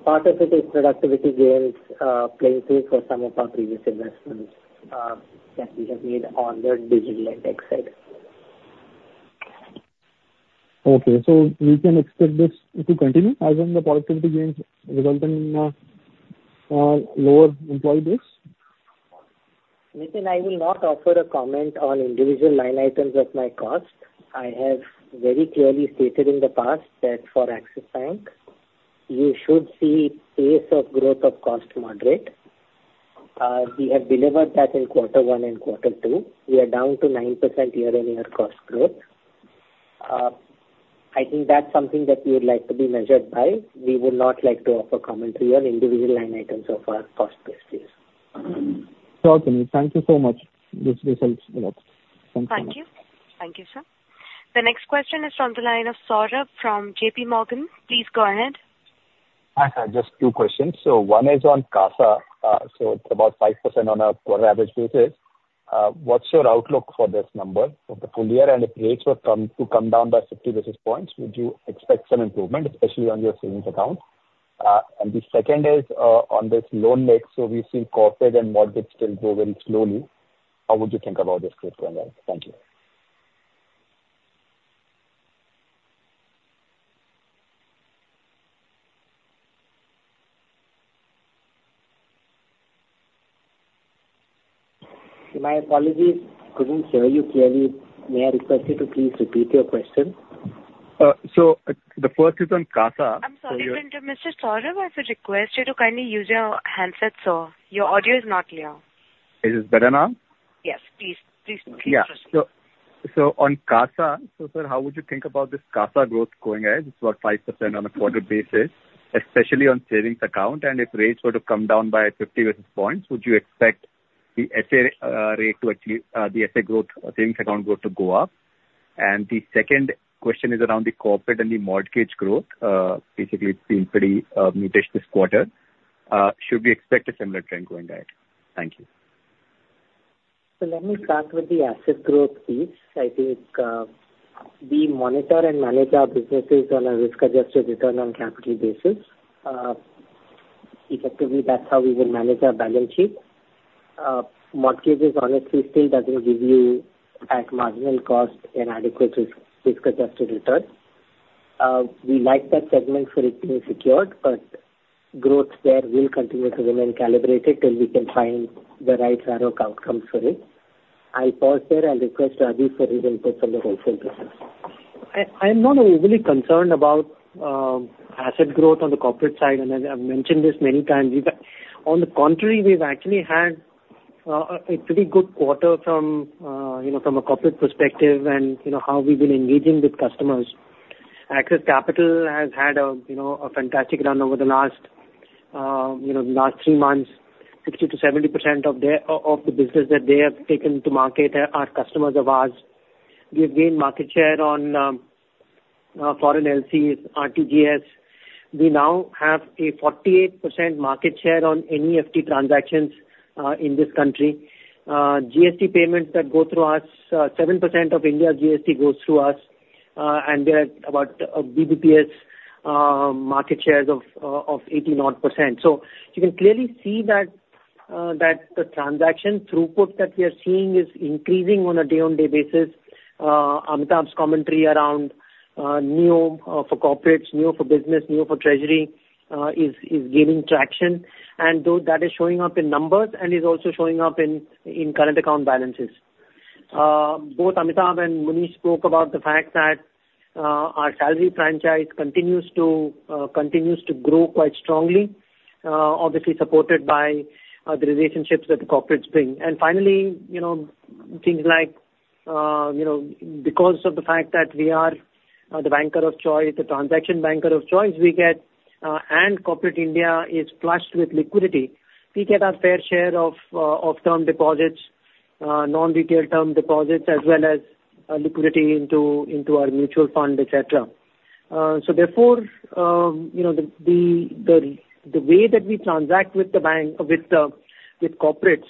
Part of it is productivity gains playing through for some of our previous investments that we have made on the digital and tech side. Okay. So we can expect this to continue as in the productivity gains resulting in lower employee base? Nitin, I will not offer a comment on individual line items of my cost. I have very clearly stated in the past that for Axis Bank, you should see pace of growth of cost to moderate. We have delivered that in Q1 and Q2. We are down to 9% year-on-year cost growth. I think that's something that we would like to be measured by. We would not like to offer commentary on individual line items of our cost base, please. Okay, thank you so much. This, this helps a lot. Thank you. Thank you. Thank you, sir. The next question is from the line of Saurabh from JPMorgan. Please go ahead. Hi, just two questions. So one is on CASA. So it's about 5% on a quarter average basis. What's your outlook for this number for the full year? And if rates were to come down by 50 basis points, would you expect some improvement, especially on your savings account? And the second is, on this loan mix. So we see corporate and mortgage still grow very slowly. How would you think about this going forward? Thank you. My apologies, couldn't hear you clearly. May I request you to please repeat your question? So the first is on CASA. I'm sorry, Mr. Saurabh. I should request you to kindly use your handset, sir. Your audio is not clear. Is this better now? Yes, please proceed. Yeah. So, so on CASA, so sir, how would you think about this CASA growth going ahead? It's about 5% on a quarter basis, especially on savings account, and if rates were to come down by 50 basis points, would you expect the SA rate to actually the SA growth, savings account growth to go up? And the second question is around the corporate and the mortgage growth. Basically, it's been pretty muted this quarter. Should we expect a similar trend going ahead? Thank you. So let me start with the asset growth piece. I think we monitor and manage our businesses on a risk-adjusted return on capital basis. Effectively, that's how we will manage our balance sheet. Mortgages honestly still doesn't give you, at marginal cost, an adequate risk-adjusted return. We like that segment for it being secured, but growth there will continue to remain calibrated till we can find the right rate of outcomes for it. I pause there and request Rajiv for his input on the whole process. I'm not overly concerned about asset growth on the Corporate side, and I've mentioned this many times. On the contrary, we've actually had a pretty good quarter from you know, from a Corporate perspective and you know, how we've been engaging with customers. Axis Capital has had a fantastic run over the last three months; 60%-70% of their business that they have taken to market are customers of ours. We've gained market share on foreign LCs, RTGS. We now have a 48% market share on NEFT transactions in this country. GST payments that go through us, 7% of India's GST goes through us, and there are about BBPS market shares of 80-odd%. So you can clearly see that the transaction throughput that we are seeing is increasing on a day-on-day basis. Amitabh's commentary around Neo for Corporates, Neo for Business, Neo for Treasury is gaining traction, and though that is showing up in numbers and is also showing up in current account balances. Both Amitabh and Munish spoke about the fact that our salary franchise continues to grow quite strongly, obviously supported by the relationships that the corporates bring. And finally, you know, things like, you know, because of the fact that we are, the banker of choice, the transaction banker of choice, we get, and corporate India is flushed with liquidity, we get our fair share of, of term deposits, non-Retail term deposits, as well as, liquidity into, into our mutual fund, et cetera. So therefore, you know, the way that we transact with the bank, with, with corporates,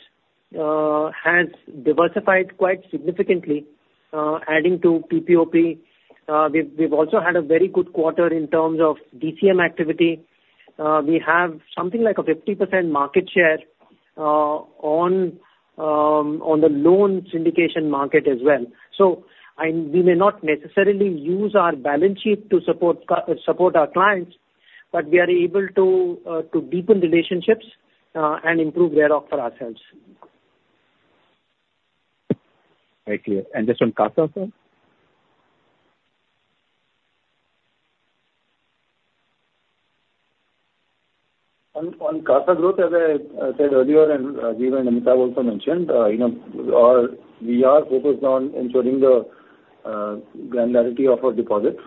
has diversified quite significantly, adding to PPOP. We've also had a very good quarter in terms of DCM activity. We have something like a 50% market share, on, on the loan syndication market as well. We may not necessarily use our balance sheet to support our clients. But we are able to deepen relationships and improve ROE for ourselves. Very clear. And just on CASA, sir? On CASA growth, as I said earlier, and Rajiv and Amitabh also mentioned, you know, we are focused on ensuring the granularity of our deposits,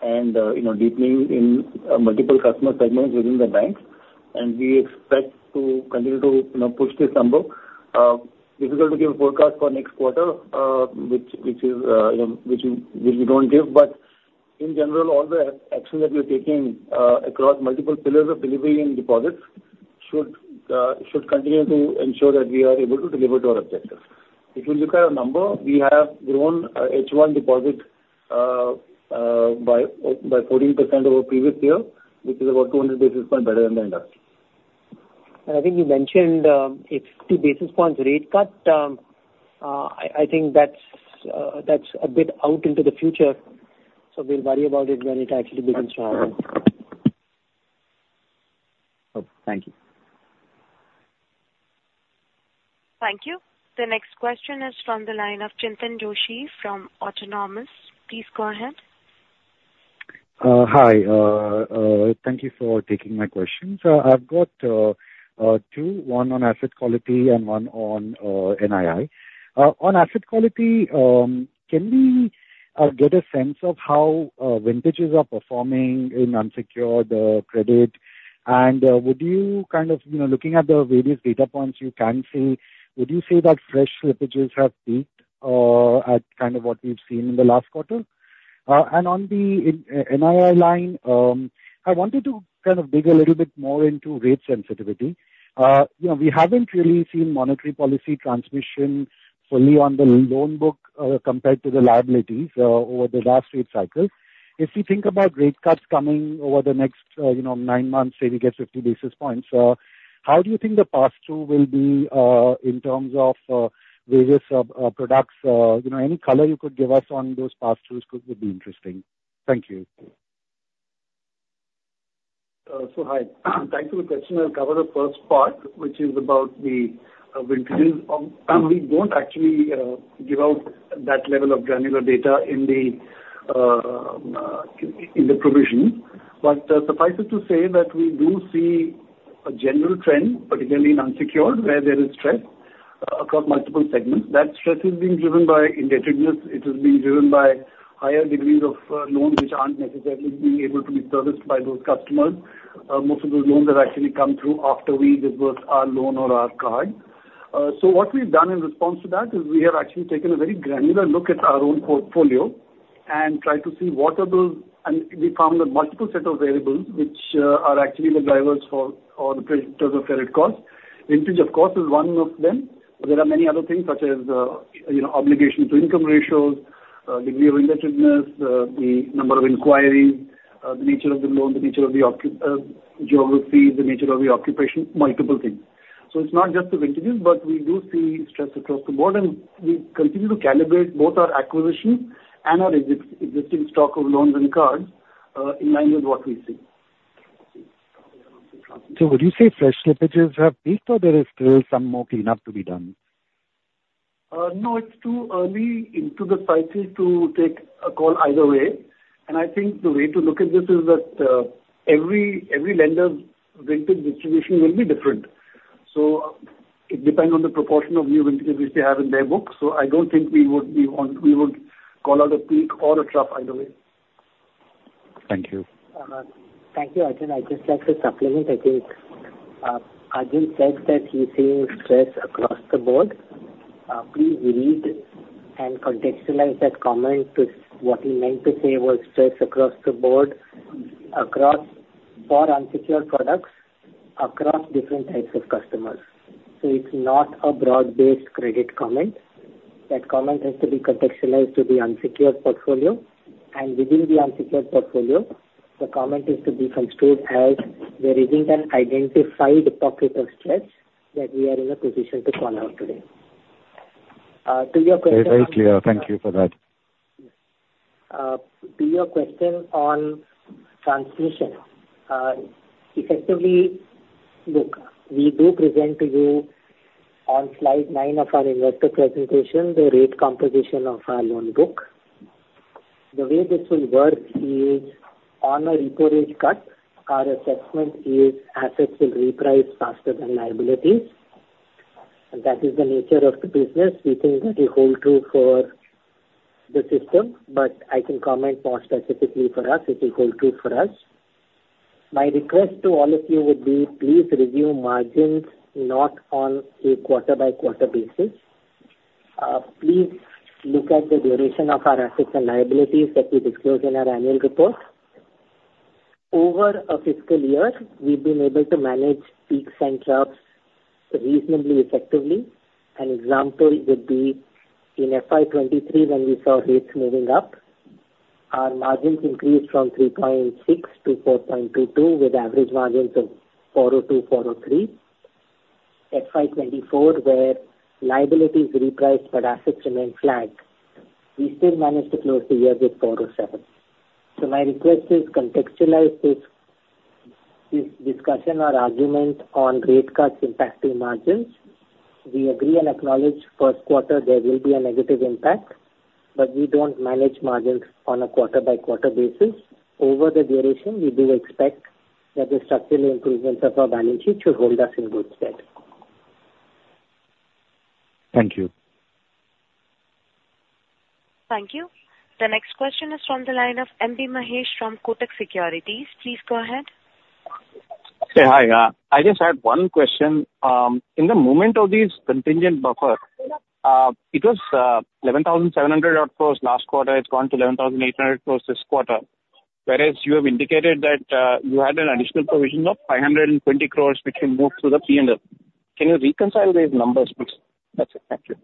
and you know, deepening in multiple customer segments within the banks, and we expect to continue to, you know, push this number. Difficult to give a forecast for next quarter, which is, you know, which we don't give, but in general, all the actions that we're taking across multiple pillars of delivery and deposits should continue to ensure that we are able to deliver to our objectives. If you look at our number, we have grown H1 deposit by 14% over previous year, which is about 200 basis points better than the industry. I think you mentioned a 50 basis points rate cut. I think that's a bit out into the future, so we'll worry about it when it actually begins to happen. Okay, thank you. Thank you. The next question is from the line of Chintan Joshi from Autonomous. Please go ahead. Hi. Thank you for taking my questions. I've got two: one on asset quality and one on NII. On asset quality, can we get a sense of how vintages are performing in unsecured credit? And would you kind of, you know, looking at the various data points you can see, would you say that fresh slippages have peaked at kind of what we've seen in the last quarter? And on the NII line, I wanted to kind of dig a little bit more into rate sensitivity. You know, we haven't really seen monetary policy transmission fully on the loan book compared to the liabilities over the last rate cycle. If you think about rate cuts coming over the next, you know, nine months, say we get 50 basis points, how do you think the pass-through will be, in terms of, various products? You know, any color you could give us on those pass-throughs would be interesting. Thank you. So hi. Thank you for the question. I'll cover the first part, which is about the vintages. We don't actually give out that level of granular data in the provision, but suffice it to say that we do see a general trend, particularly in unsecured, where there is stress across multiple segments. That stress is being driven by indebtedness. It is being driven by higher degrees of loans which aren't necessarily being able to be serviced by those customers. Most of those loans have actually come through after we dispersed our loan or our card. So what we've done in response to that is we have actually taken a very granular look at our own portfolio and tried to see what are those. We found that multiple set of variables which are actually the drivers for, or the predictors of credit cost. Vintage, of course, is one of them, but there are many other things such as, you know, obligation to income ratios, degree of indebtedness, the number of inquiries, the nature of the loan, the nature of the occupation, multiple things. It's not just the vintages, but we do see stress across the board, and we continue to calibrate both our acquisition and our existing stock of loans and cards, in line with what we see. So would you say fresh slippages have peaked, or there is still some more cleanup to be done? No, it's too early into the cycle to take a call either way, and I think the way to look at this is that every lender's vintage distribution will be different. So it depends on the proportion of new vintages which they have in their books, so I don't think we would call out a peak or a trough either way. Thank you. Thank you, Arjun. I'd just like to supplement. I think, Arjun said that he's seeing stress across the board. Please read and contextualize that comment to what he meant to say was stress across the board, across for unsecured products, across different types of customers. So it's not a broad-based credit comment. That comment has to be contextualized to the unsecured portfolio, and within the unsecured portfolio, the comment is to be construed as there isn't an identified pocket of stress that we are in a position to call out today. To your question- Very, very clear. Thank you for that. To your question on transmission, effectively. Look, we do present to you on slide nine of our investor presentation, the rate composition of our loan book. The way this will work is, on a repo rate cut, our assessment is assets will reprice faster than liabilities, and that is the nature of the business. We think that will hold true for the system, but I can comment more specifically for us, it will hold true for us. My request to all of you would be, please review margins not on a quarter-by-quarter basis. Please look at the duration of our assets and liabilities that we disclose in our annual report. Over a fiscal year, we've been able to manage peaks and troughs reasonably effectively. An example would be in FY 2023, when we saw rates moving up, our margins increased from 3.6 to 4.22, with average margins of 4.02, 4.03. FY 2024, where liabilities repriced but assets remained flat, we still managed to close the year with 4.07. So my request is contextualize this, this discussion or argument on rate cuts impacting margins. We agree and acknowledge first quarter there will be a negative impact, but we don't manage margins on a quarter-by-quarter basis. Over the duration, we do expect that the structural improvements of our balance sheet should hold us in good stead. Thank you. Thank you. The next question is from the line of M.B. Mahesh from Kotak Securities. Please go ahead. Hi. I just had one question. In the movement of these contingent buffer, it was 11,700 crore last quarter. It's gone to 11,800 crore this quarter. Whereas you have indicated that you had an additional provision of 520 crore, which can move through the P&L. Can you reconcile these numbers, please? That's it. Thank you.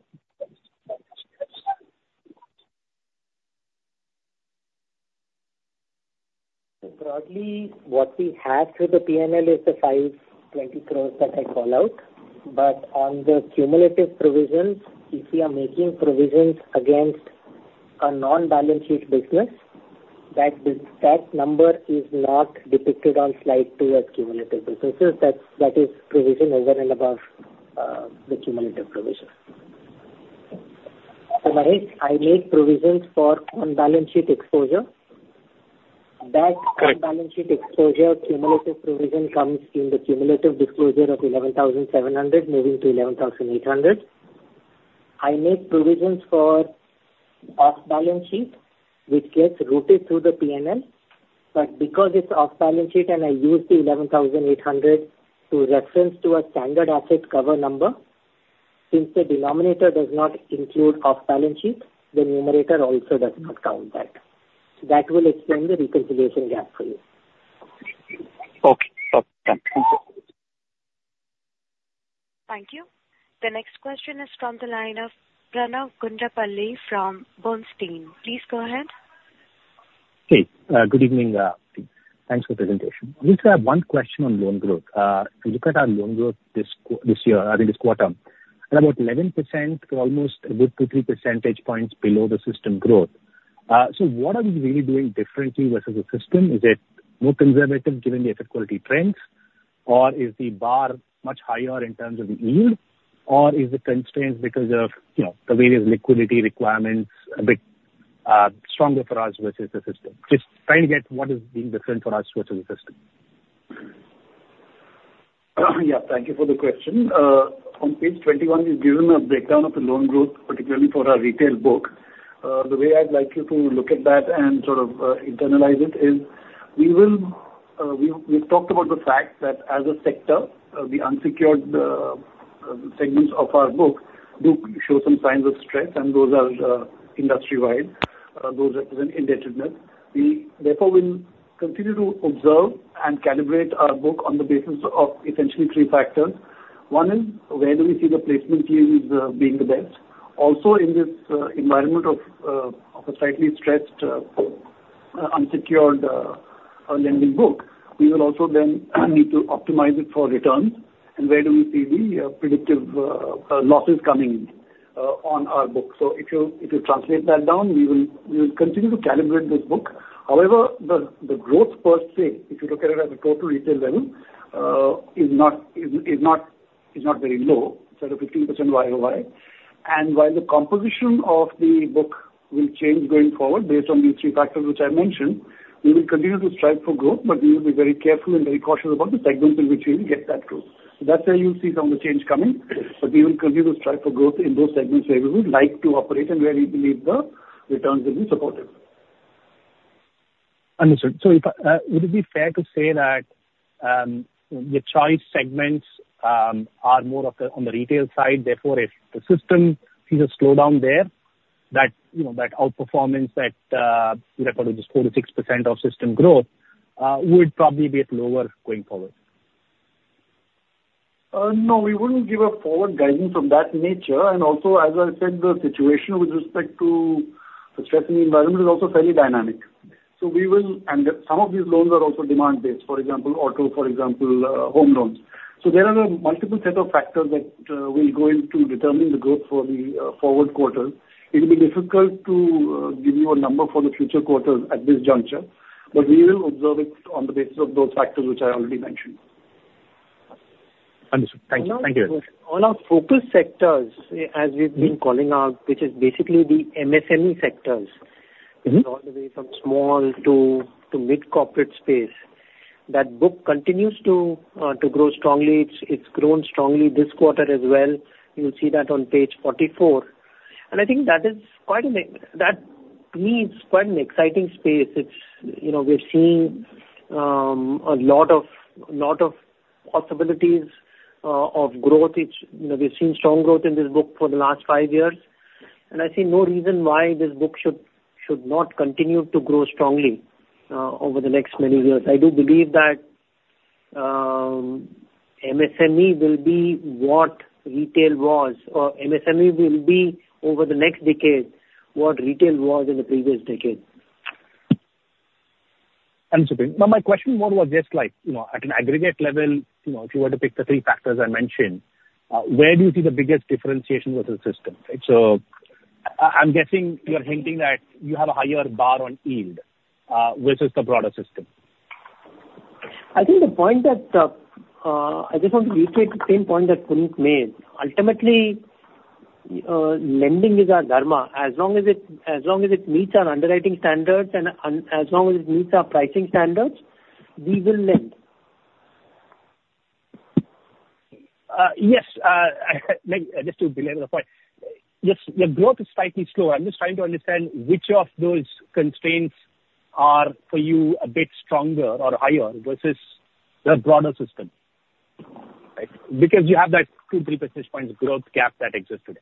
So broadly, what we had through the P&L is the 520 crore that I call out, but on the cumulative provisions, if we are making provisions against a non-balance sheet business, that number is not depicted on slide two as cumulative. So that is provision over and above the cumulative provision. So, Mahesh, I made provisions for on-balance sheet exposure. Right. That on-balance sheet exposure cumulative provision comes in the cumulative disclosure of 11,700, moving to 11,800. I made provisions for off-balance sheet, which gets routed through the P&L, but because it's off-balance sheet and I use the 11,800 to reference to a standard asset cover number, since the denominator does not include off-balance sheet, the numerator also does not count that. That will explain the reconciliation gap for you. Okay. Got that. Thank you. Thank you. The next question is from the line of Pranav Gundlapalle from Bernstein. Please go ahead. Hey, good evening, team. Thanks for the presentation. I just have one question on loan growth. If you look at our loan growth this quarter, at about 11% to almost 3 percentage points below the system growth. So what are we really doing differently versus the system? Is it more conservative given the asset quality trends, or is the bar much higher in terms of the yield? Or is it constrained because of, you know, the various liquidity requirements a bit stronger for us versus the system? Just trying to get what is being different for us versus the system. Yeah, thank you for the question. On page 21, we've given a breakdown of the loan growth, particularly for our Retail book. The way I'd like you to look at that and sort of internalize it is we will, we've talked about the fact that as a sector, the unsecured segments of our book do show some signs of stress, and those are industry-wide. Those represent indebtedness. We therefore will continue to observe and calibrate our book on the basis of essentially three factors. One is, where do we see the placement teams being the best? Also, in this environment of a slightly stressed unsecured lending book, we will also then need to optimize it for returns, and where do we see the predictive losses coming on our book? So if you translate that down, we will continue to calibrate this book. However, the growth per se, if you look at it as a total Retail level, is not very low. It's at a 15% YoY. And while the composition of the book will change going forward based on the three factors which I mentioned, we will continue to strive for growth, but we will be very careful and very cautious about the segments in which we will get that growth. That's where you'll see some of the change coming, but we will continue to strive for growth in those segments where we would like to operate and where we believe the returns will be supportive. Understood. Would it be fair to say that your choice segments are more on the Retail side, therefore, if the system sees a slowdown there, that, you know, that outperformance that you referred to, just 4%-6% of system growth, would probably be at lower going forward? No, we wouldn't give a forward guidance of that nature, and also, as I said, the situation with respect to the stress in the environment is also fairly dynamic. So we will, and some of these loans are also demand based, for example, auto, for example, home loans. So there are a multiple set of factors that will go into determining the growth for the forward quarter. It will be difficult to give you a number for the future quarters at this juncture, but we will observe it on the basis of those factors which I already mentioned. Understood. Thank you. Thank you very much. All our focus sectors, as we've been calling out, which is basically the MSME sectors- Mm-hmm. All the way from small to mid-corporate space, that book continues to grow strongly. It's grown strongly this quarter as well. You'll see that on page 44, and I think that is quite an exciting space. To me, that is quite an exciting space. It's, you know, we're seeing a lot of possibilities of growth. It's, you know, we've seen strong growth in this book for the last five years, and I see no reason why this book should not continue to grow strongly over the next many years. I do believe that MSME will be what Retail was, or MSME will be, over the next decade, what Retail was in the previous decade. Understood, now my question more was just like, you know, at an aggregate level, you know, if you were to pick the three factors I mentioned, where do you see the biggest differentiation with the system? Right. So I, I'm guessing you're hinting that you have a higher bar on yield, versus the broader system. I think the point that I just want to reiterate the same point that Puneet made. Ultimately, lending is our dharma. As long as it meets our underwriting standards and as long as it meets our pricing standards, we will lend. Yes, like, just to belabor the fact, yes, your growth is slightly slow. I'm just trying to understand which of those constraints are, for you, a bit stronger or higher versus the broader system, right? Because you have that two, three percentage points growth gap that exists today.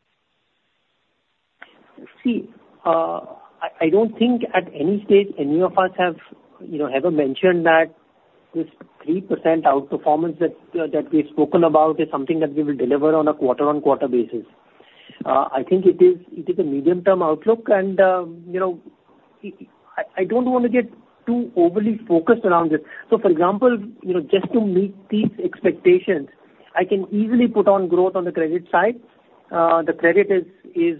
See, I don't think at any stage any of us have, you know, ever mentioned that this 3% outperformance that we've spoken about is something that we will deliver on a quarter-on-quarter basis. I think it is a medium-term outlook and, you know, I don't wanna get too overly focused around it. So, for example, you know, just to meet these expectations, I can easily put on growth on the credit side. The credit will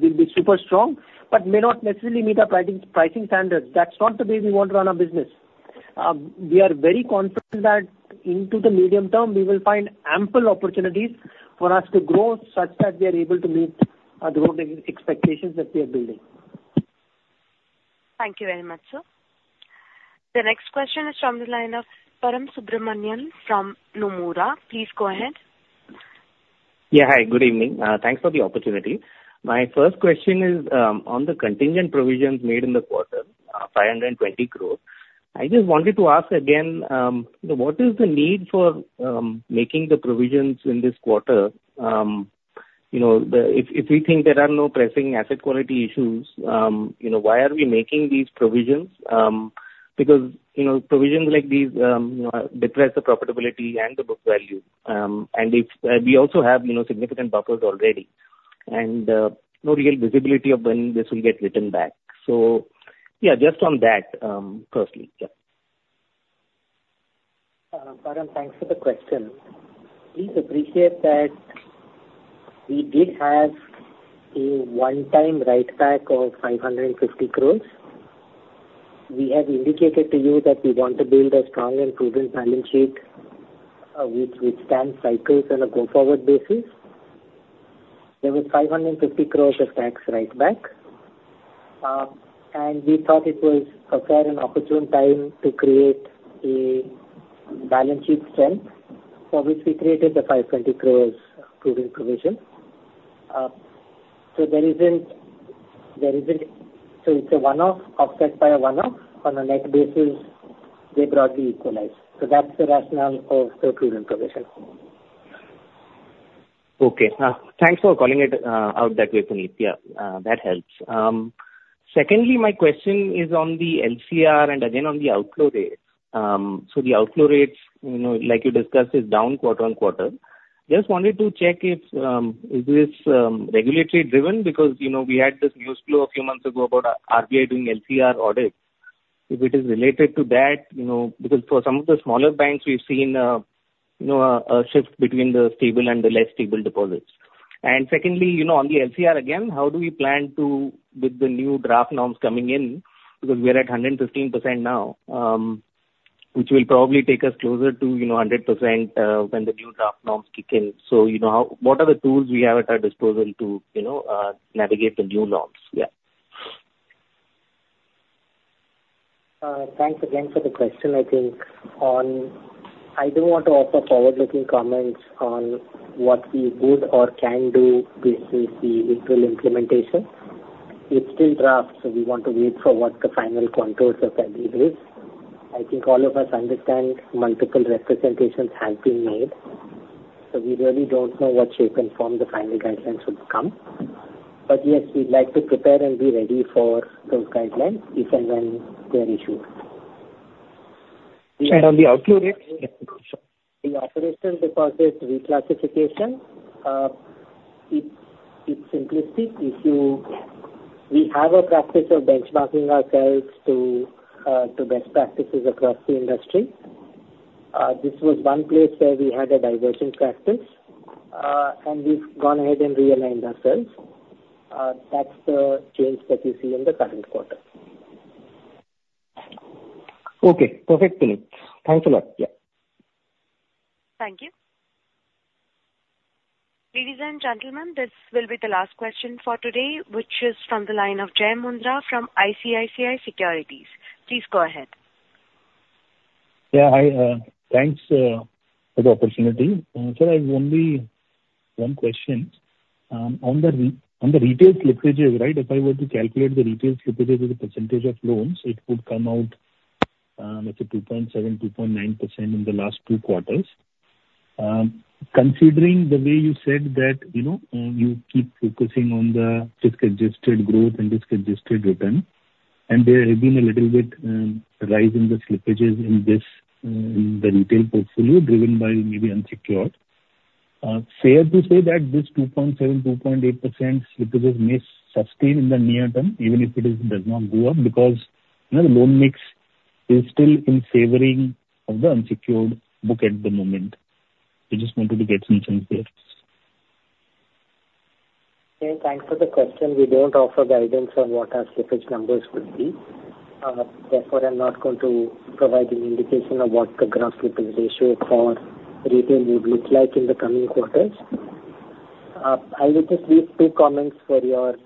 be super strong, but may not necessarily meet our pricing standards. That's not the way we want to run our business. We are very confident that into the medium term, we will find ample opportunities for us to grow such that we are able to meet the growth expectations that we are building. Thank you very much, sir. The next question is from the line of Param Subramanian from Nomura. Please go ahead. Yeah, hi, good evening. Thanks for the opportunity. My first question is, on the contingent provisions made in the quarter, 520 crore. I just wanted to ask again, you know, what is the need for, making the provisions in this quarter? You know, if we think there are no pressing asset quality issues, you know, why are we making these provisions? Because, you know, provisions like these, you know, depress the profitability and the book value. And if we also have, you know, significant buffers already and, no real visibility of when this will get written back. So yeah, just on that, firstly, yeah. Param, thanks for the question. Please appreciate that we did have a one-time write back of 550 crore. We have indicated to you that we want to build a strong and proven balance sheet, which withstand cycles on a go-forward basis. There was 550 crore of tax write back. And we thought it was a fair and opportune time to create a balance sheet strength, for which we created the 520 crore provision. So there isn't. So it's a one-off, offset by a one-off. On a net basis, they broadly equalize. So that's the rationale of the provision. Okay. Thanks for calling it out that way, Puneet. Yeah, that helps. Secondly, my question is on the LCR and again on the outflow rates. So the outflow rates, you know, like you discussed, is down quarter-on-quarter. Just wanted to check if is this regulatory driven? Because, you know, we had this news flow a few months ago about RBI doing LCR audits. If it is related to that, you know, because for some of the smaller banks, we've seen, you know, a shift between the stable and the less stable deposits. And secondly, you know, on the LCR, again, how do we plan to, with the new draft norms coming in? Because we're at 115% now, which will probably take us closer to, you know, 100%, when the new draft norms kick in. So, you know, how, what are the tools we have at our disposal to, you know, navigate the new norms? Yeah. Thanks again for the question. I think on—I don't want to offer forward-looking comments on what we would or can do based on the digital implementation. It's still draft, so we want to wait for what the final contours of that is. I think all of us understand multiple representations have been made, so we really don't know what shape and form the final guidelines would come. But yes, we'd like to prepare and be ready for those guidelines if and when they're issued. On the outflow rates? Yeah, sure. The operational deposit reclassification, it's simplistic. We have a practice of benchmarking ourselves to best practices across the industry. This was one place where we had a divergent practice, and we've gone ahead and realigned ourselves. That's the change that you see in the current quarter. Okay, perfect, Puneet. Thanks a lot. Yeah. Thank you. Ladies and gentlemen, this will be the last question for today, which is from the line of Jai Mundhra from ICICI Securities. Please go ahead. Yeah, hi. Thanks for the opportunity. So I have only one question. On the Retail slippages, right? If I were to calculate the Retail slippage as a percentage of loans, it would come out, let's say 2.7%-2.9% in the last two quarters. Considering the way you said that, you know, you keep focusing on the risk-adjusted growth and risk-adjusted return, and there has been a little bit rise in the slippages in this the Retail portfolio, driven by maybe unsecured. Fair to say that this 2.7%-2.8% slippage may sustain in the near term, even if it does not go up? Because, you know, the loan mix is still in favoring of the unsecured book at the moment. I just wanted to get some sense there. Okay, thanks for the question. We don't offer guidance on what our slippage numbers could be. Therefore, I'm not going to provide an indication of what the gross slippage ratio for Retail would look like in the coming quarters. I will just leave two comments for your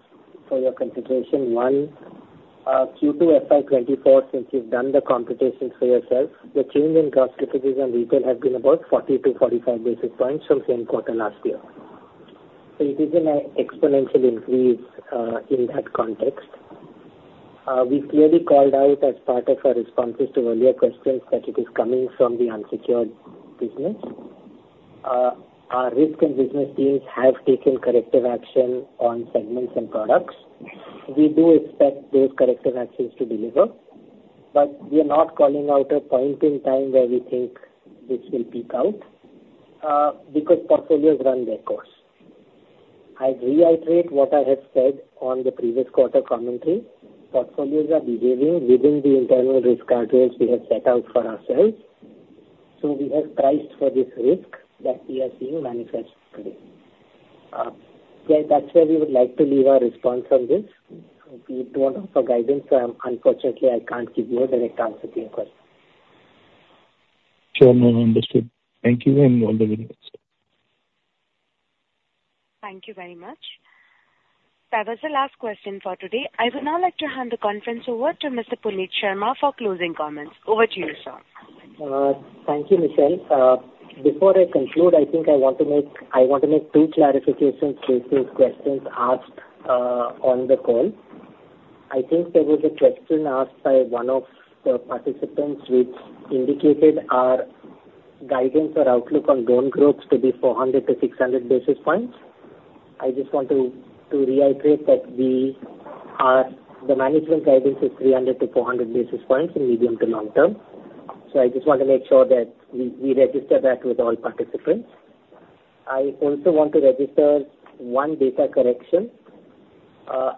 consideration. One, Q2 FY 2024, since you've done the computations for yourself, the change in gross slippages on Retail have been about 40 to 45 basis points from same quarter last year. So it is an exponential increase in that context. We clearly called out as part of our responses to earlier questions, that it is coming from the unsecured business. Our risk and business teams have taken corrective action on segments and products. We do expect those corrective actions to deliver, but we are not calling out a point in time where we think this will peak out, because portfolios run their course. I'd reiterate what I have said on the previous quarter commentary. Portfolios are behaving within the internal risk guidelines we have set out for ourselves, so we have priced for this risk that we are seeing manifest today. So that's where we would like to leave our response on this. We don't offer guidance, so unfortunately, I can't give you a direct answer to your question. Sure. No, no, understood. Thank you, and all the best. Thank you very much. That was the last question for today. I would now like to hand the conference over to Mr. Puneet Sharma for closing comments. Over to you, sir. Thank you, Michelle. Before I conclude, I think I want to make two clarifications to the questions asked on the call. I think there was a question asked by one of the participants, which indicated our guidance or outlook on loan growth to be 400 to 600 points. I just want to reiterate that we are—the management guidance is 300 to 400 basis points in medium to long term. So I just want to make sure that we register that with all participants. I also want to register one data correction.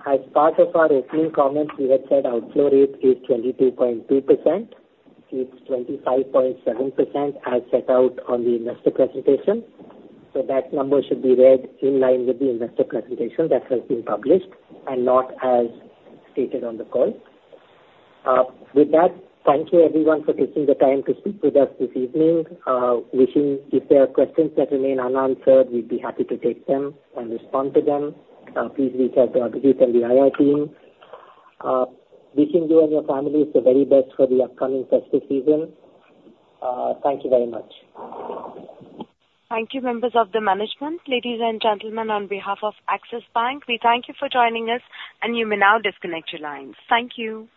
As part of our opening comments, we had said outflow rate is 22.2%. It's 25.7%, as set out on the investor presentation. So that number should be read in line with the investor presentation that has been published and not as stated on the call. With that, thank you, everyone, for taking the time to speak with us this evening. If there are questions that remain unanswered, we'd be happy to take them and respond to them. Please reach out to our business and the IR team. Wishing you and your families the very best for the upcoming festive season. Thank you very much. Thank you, members of the management. Ladies and gentlemen, on behalf of Axis Bank, we thank you for joining us, and you may now disconnect your lines. Thank you.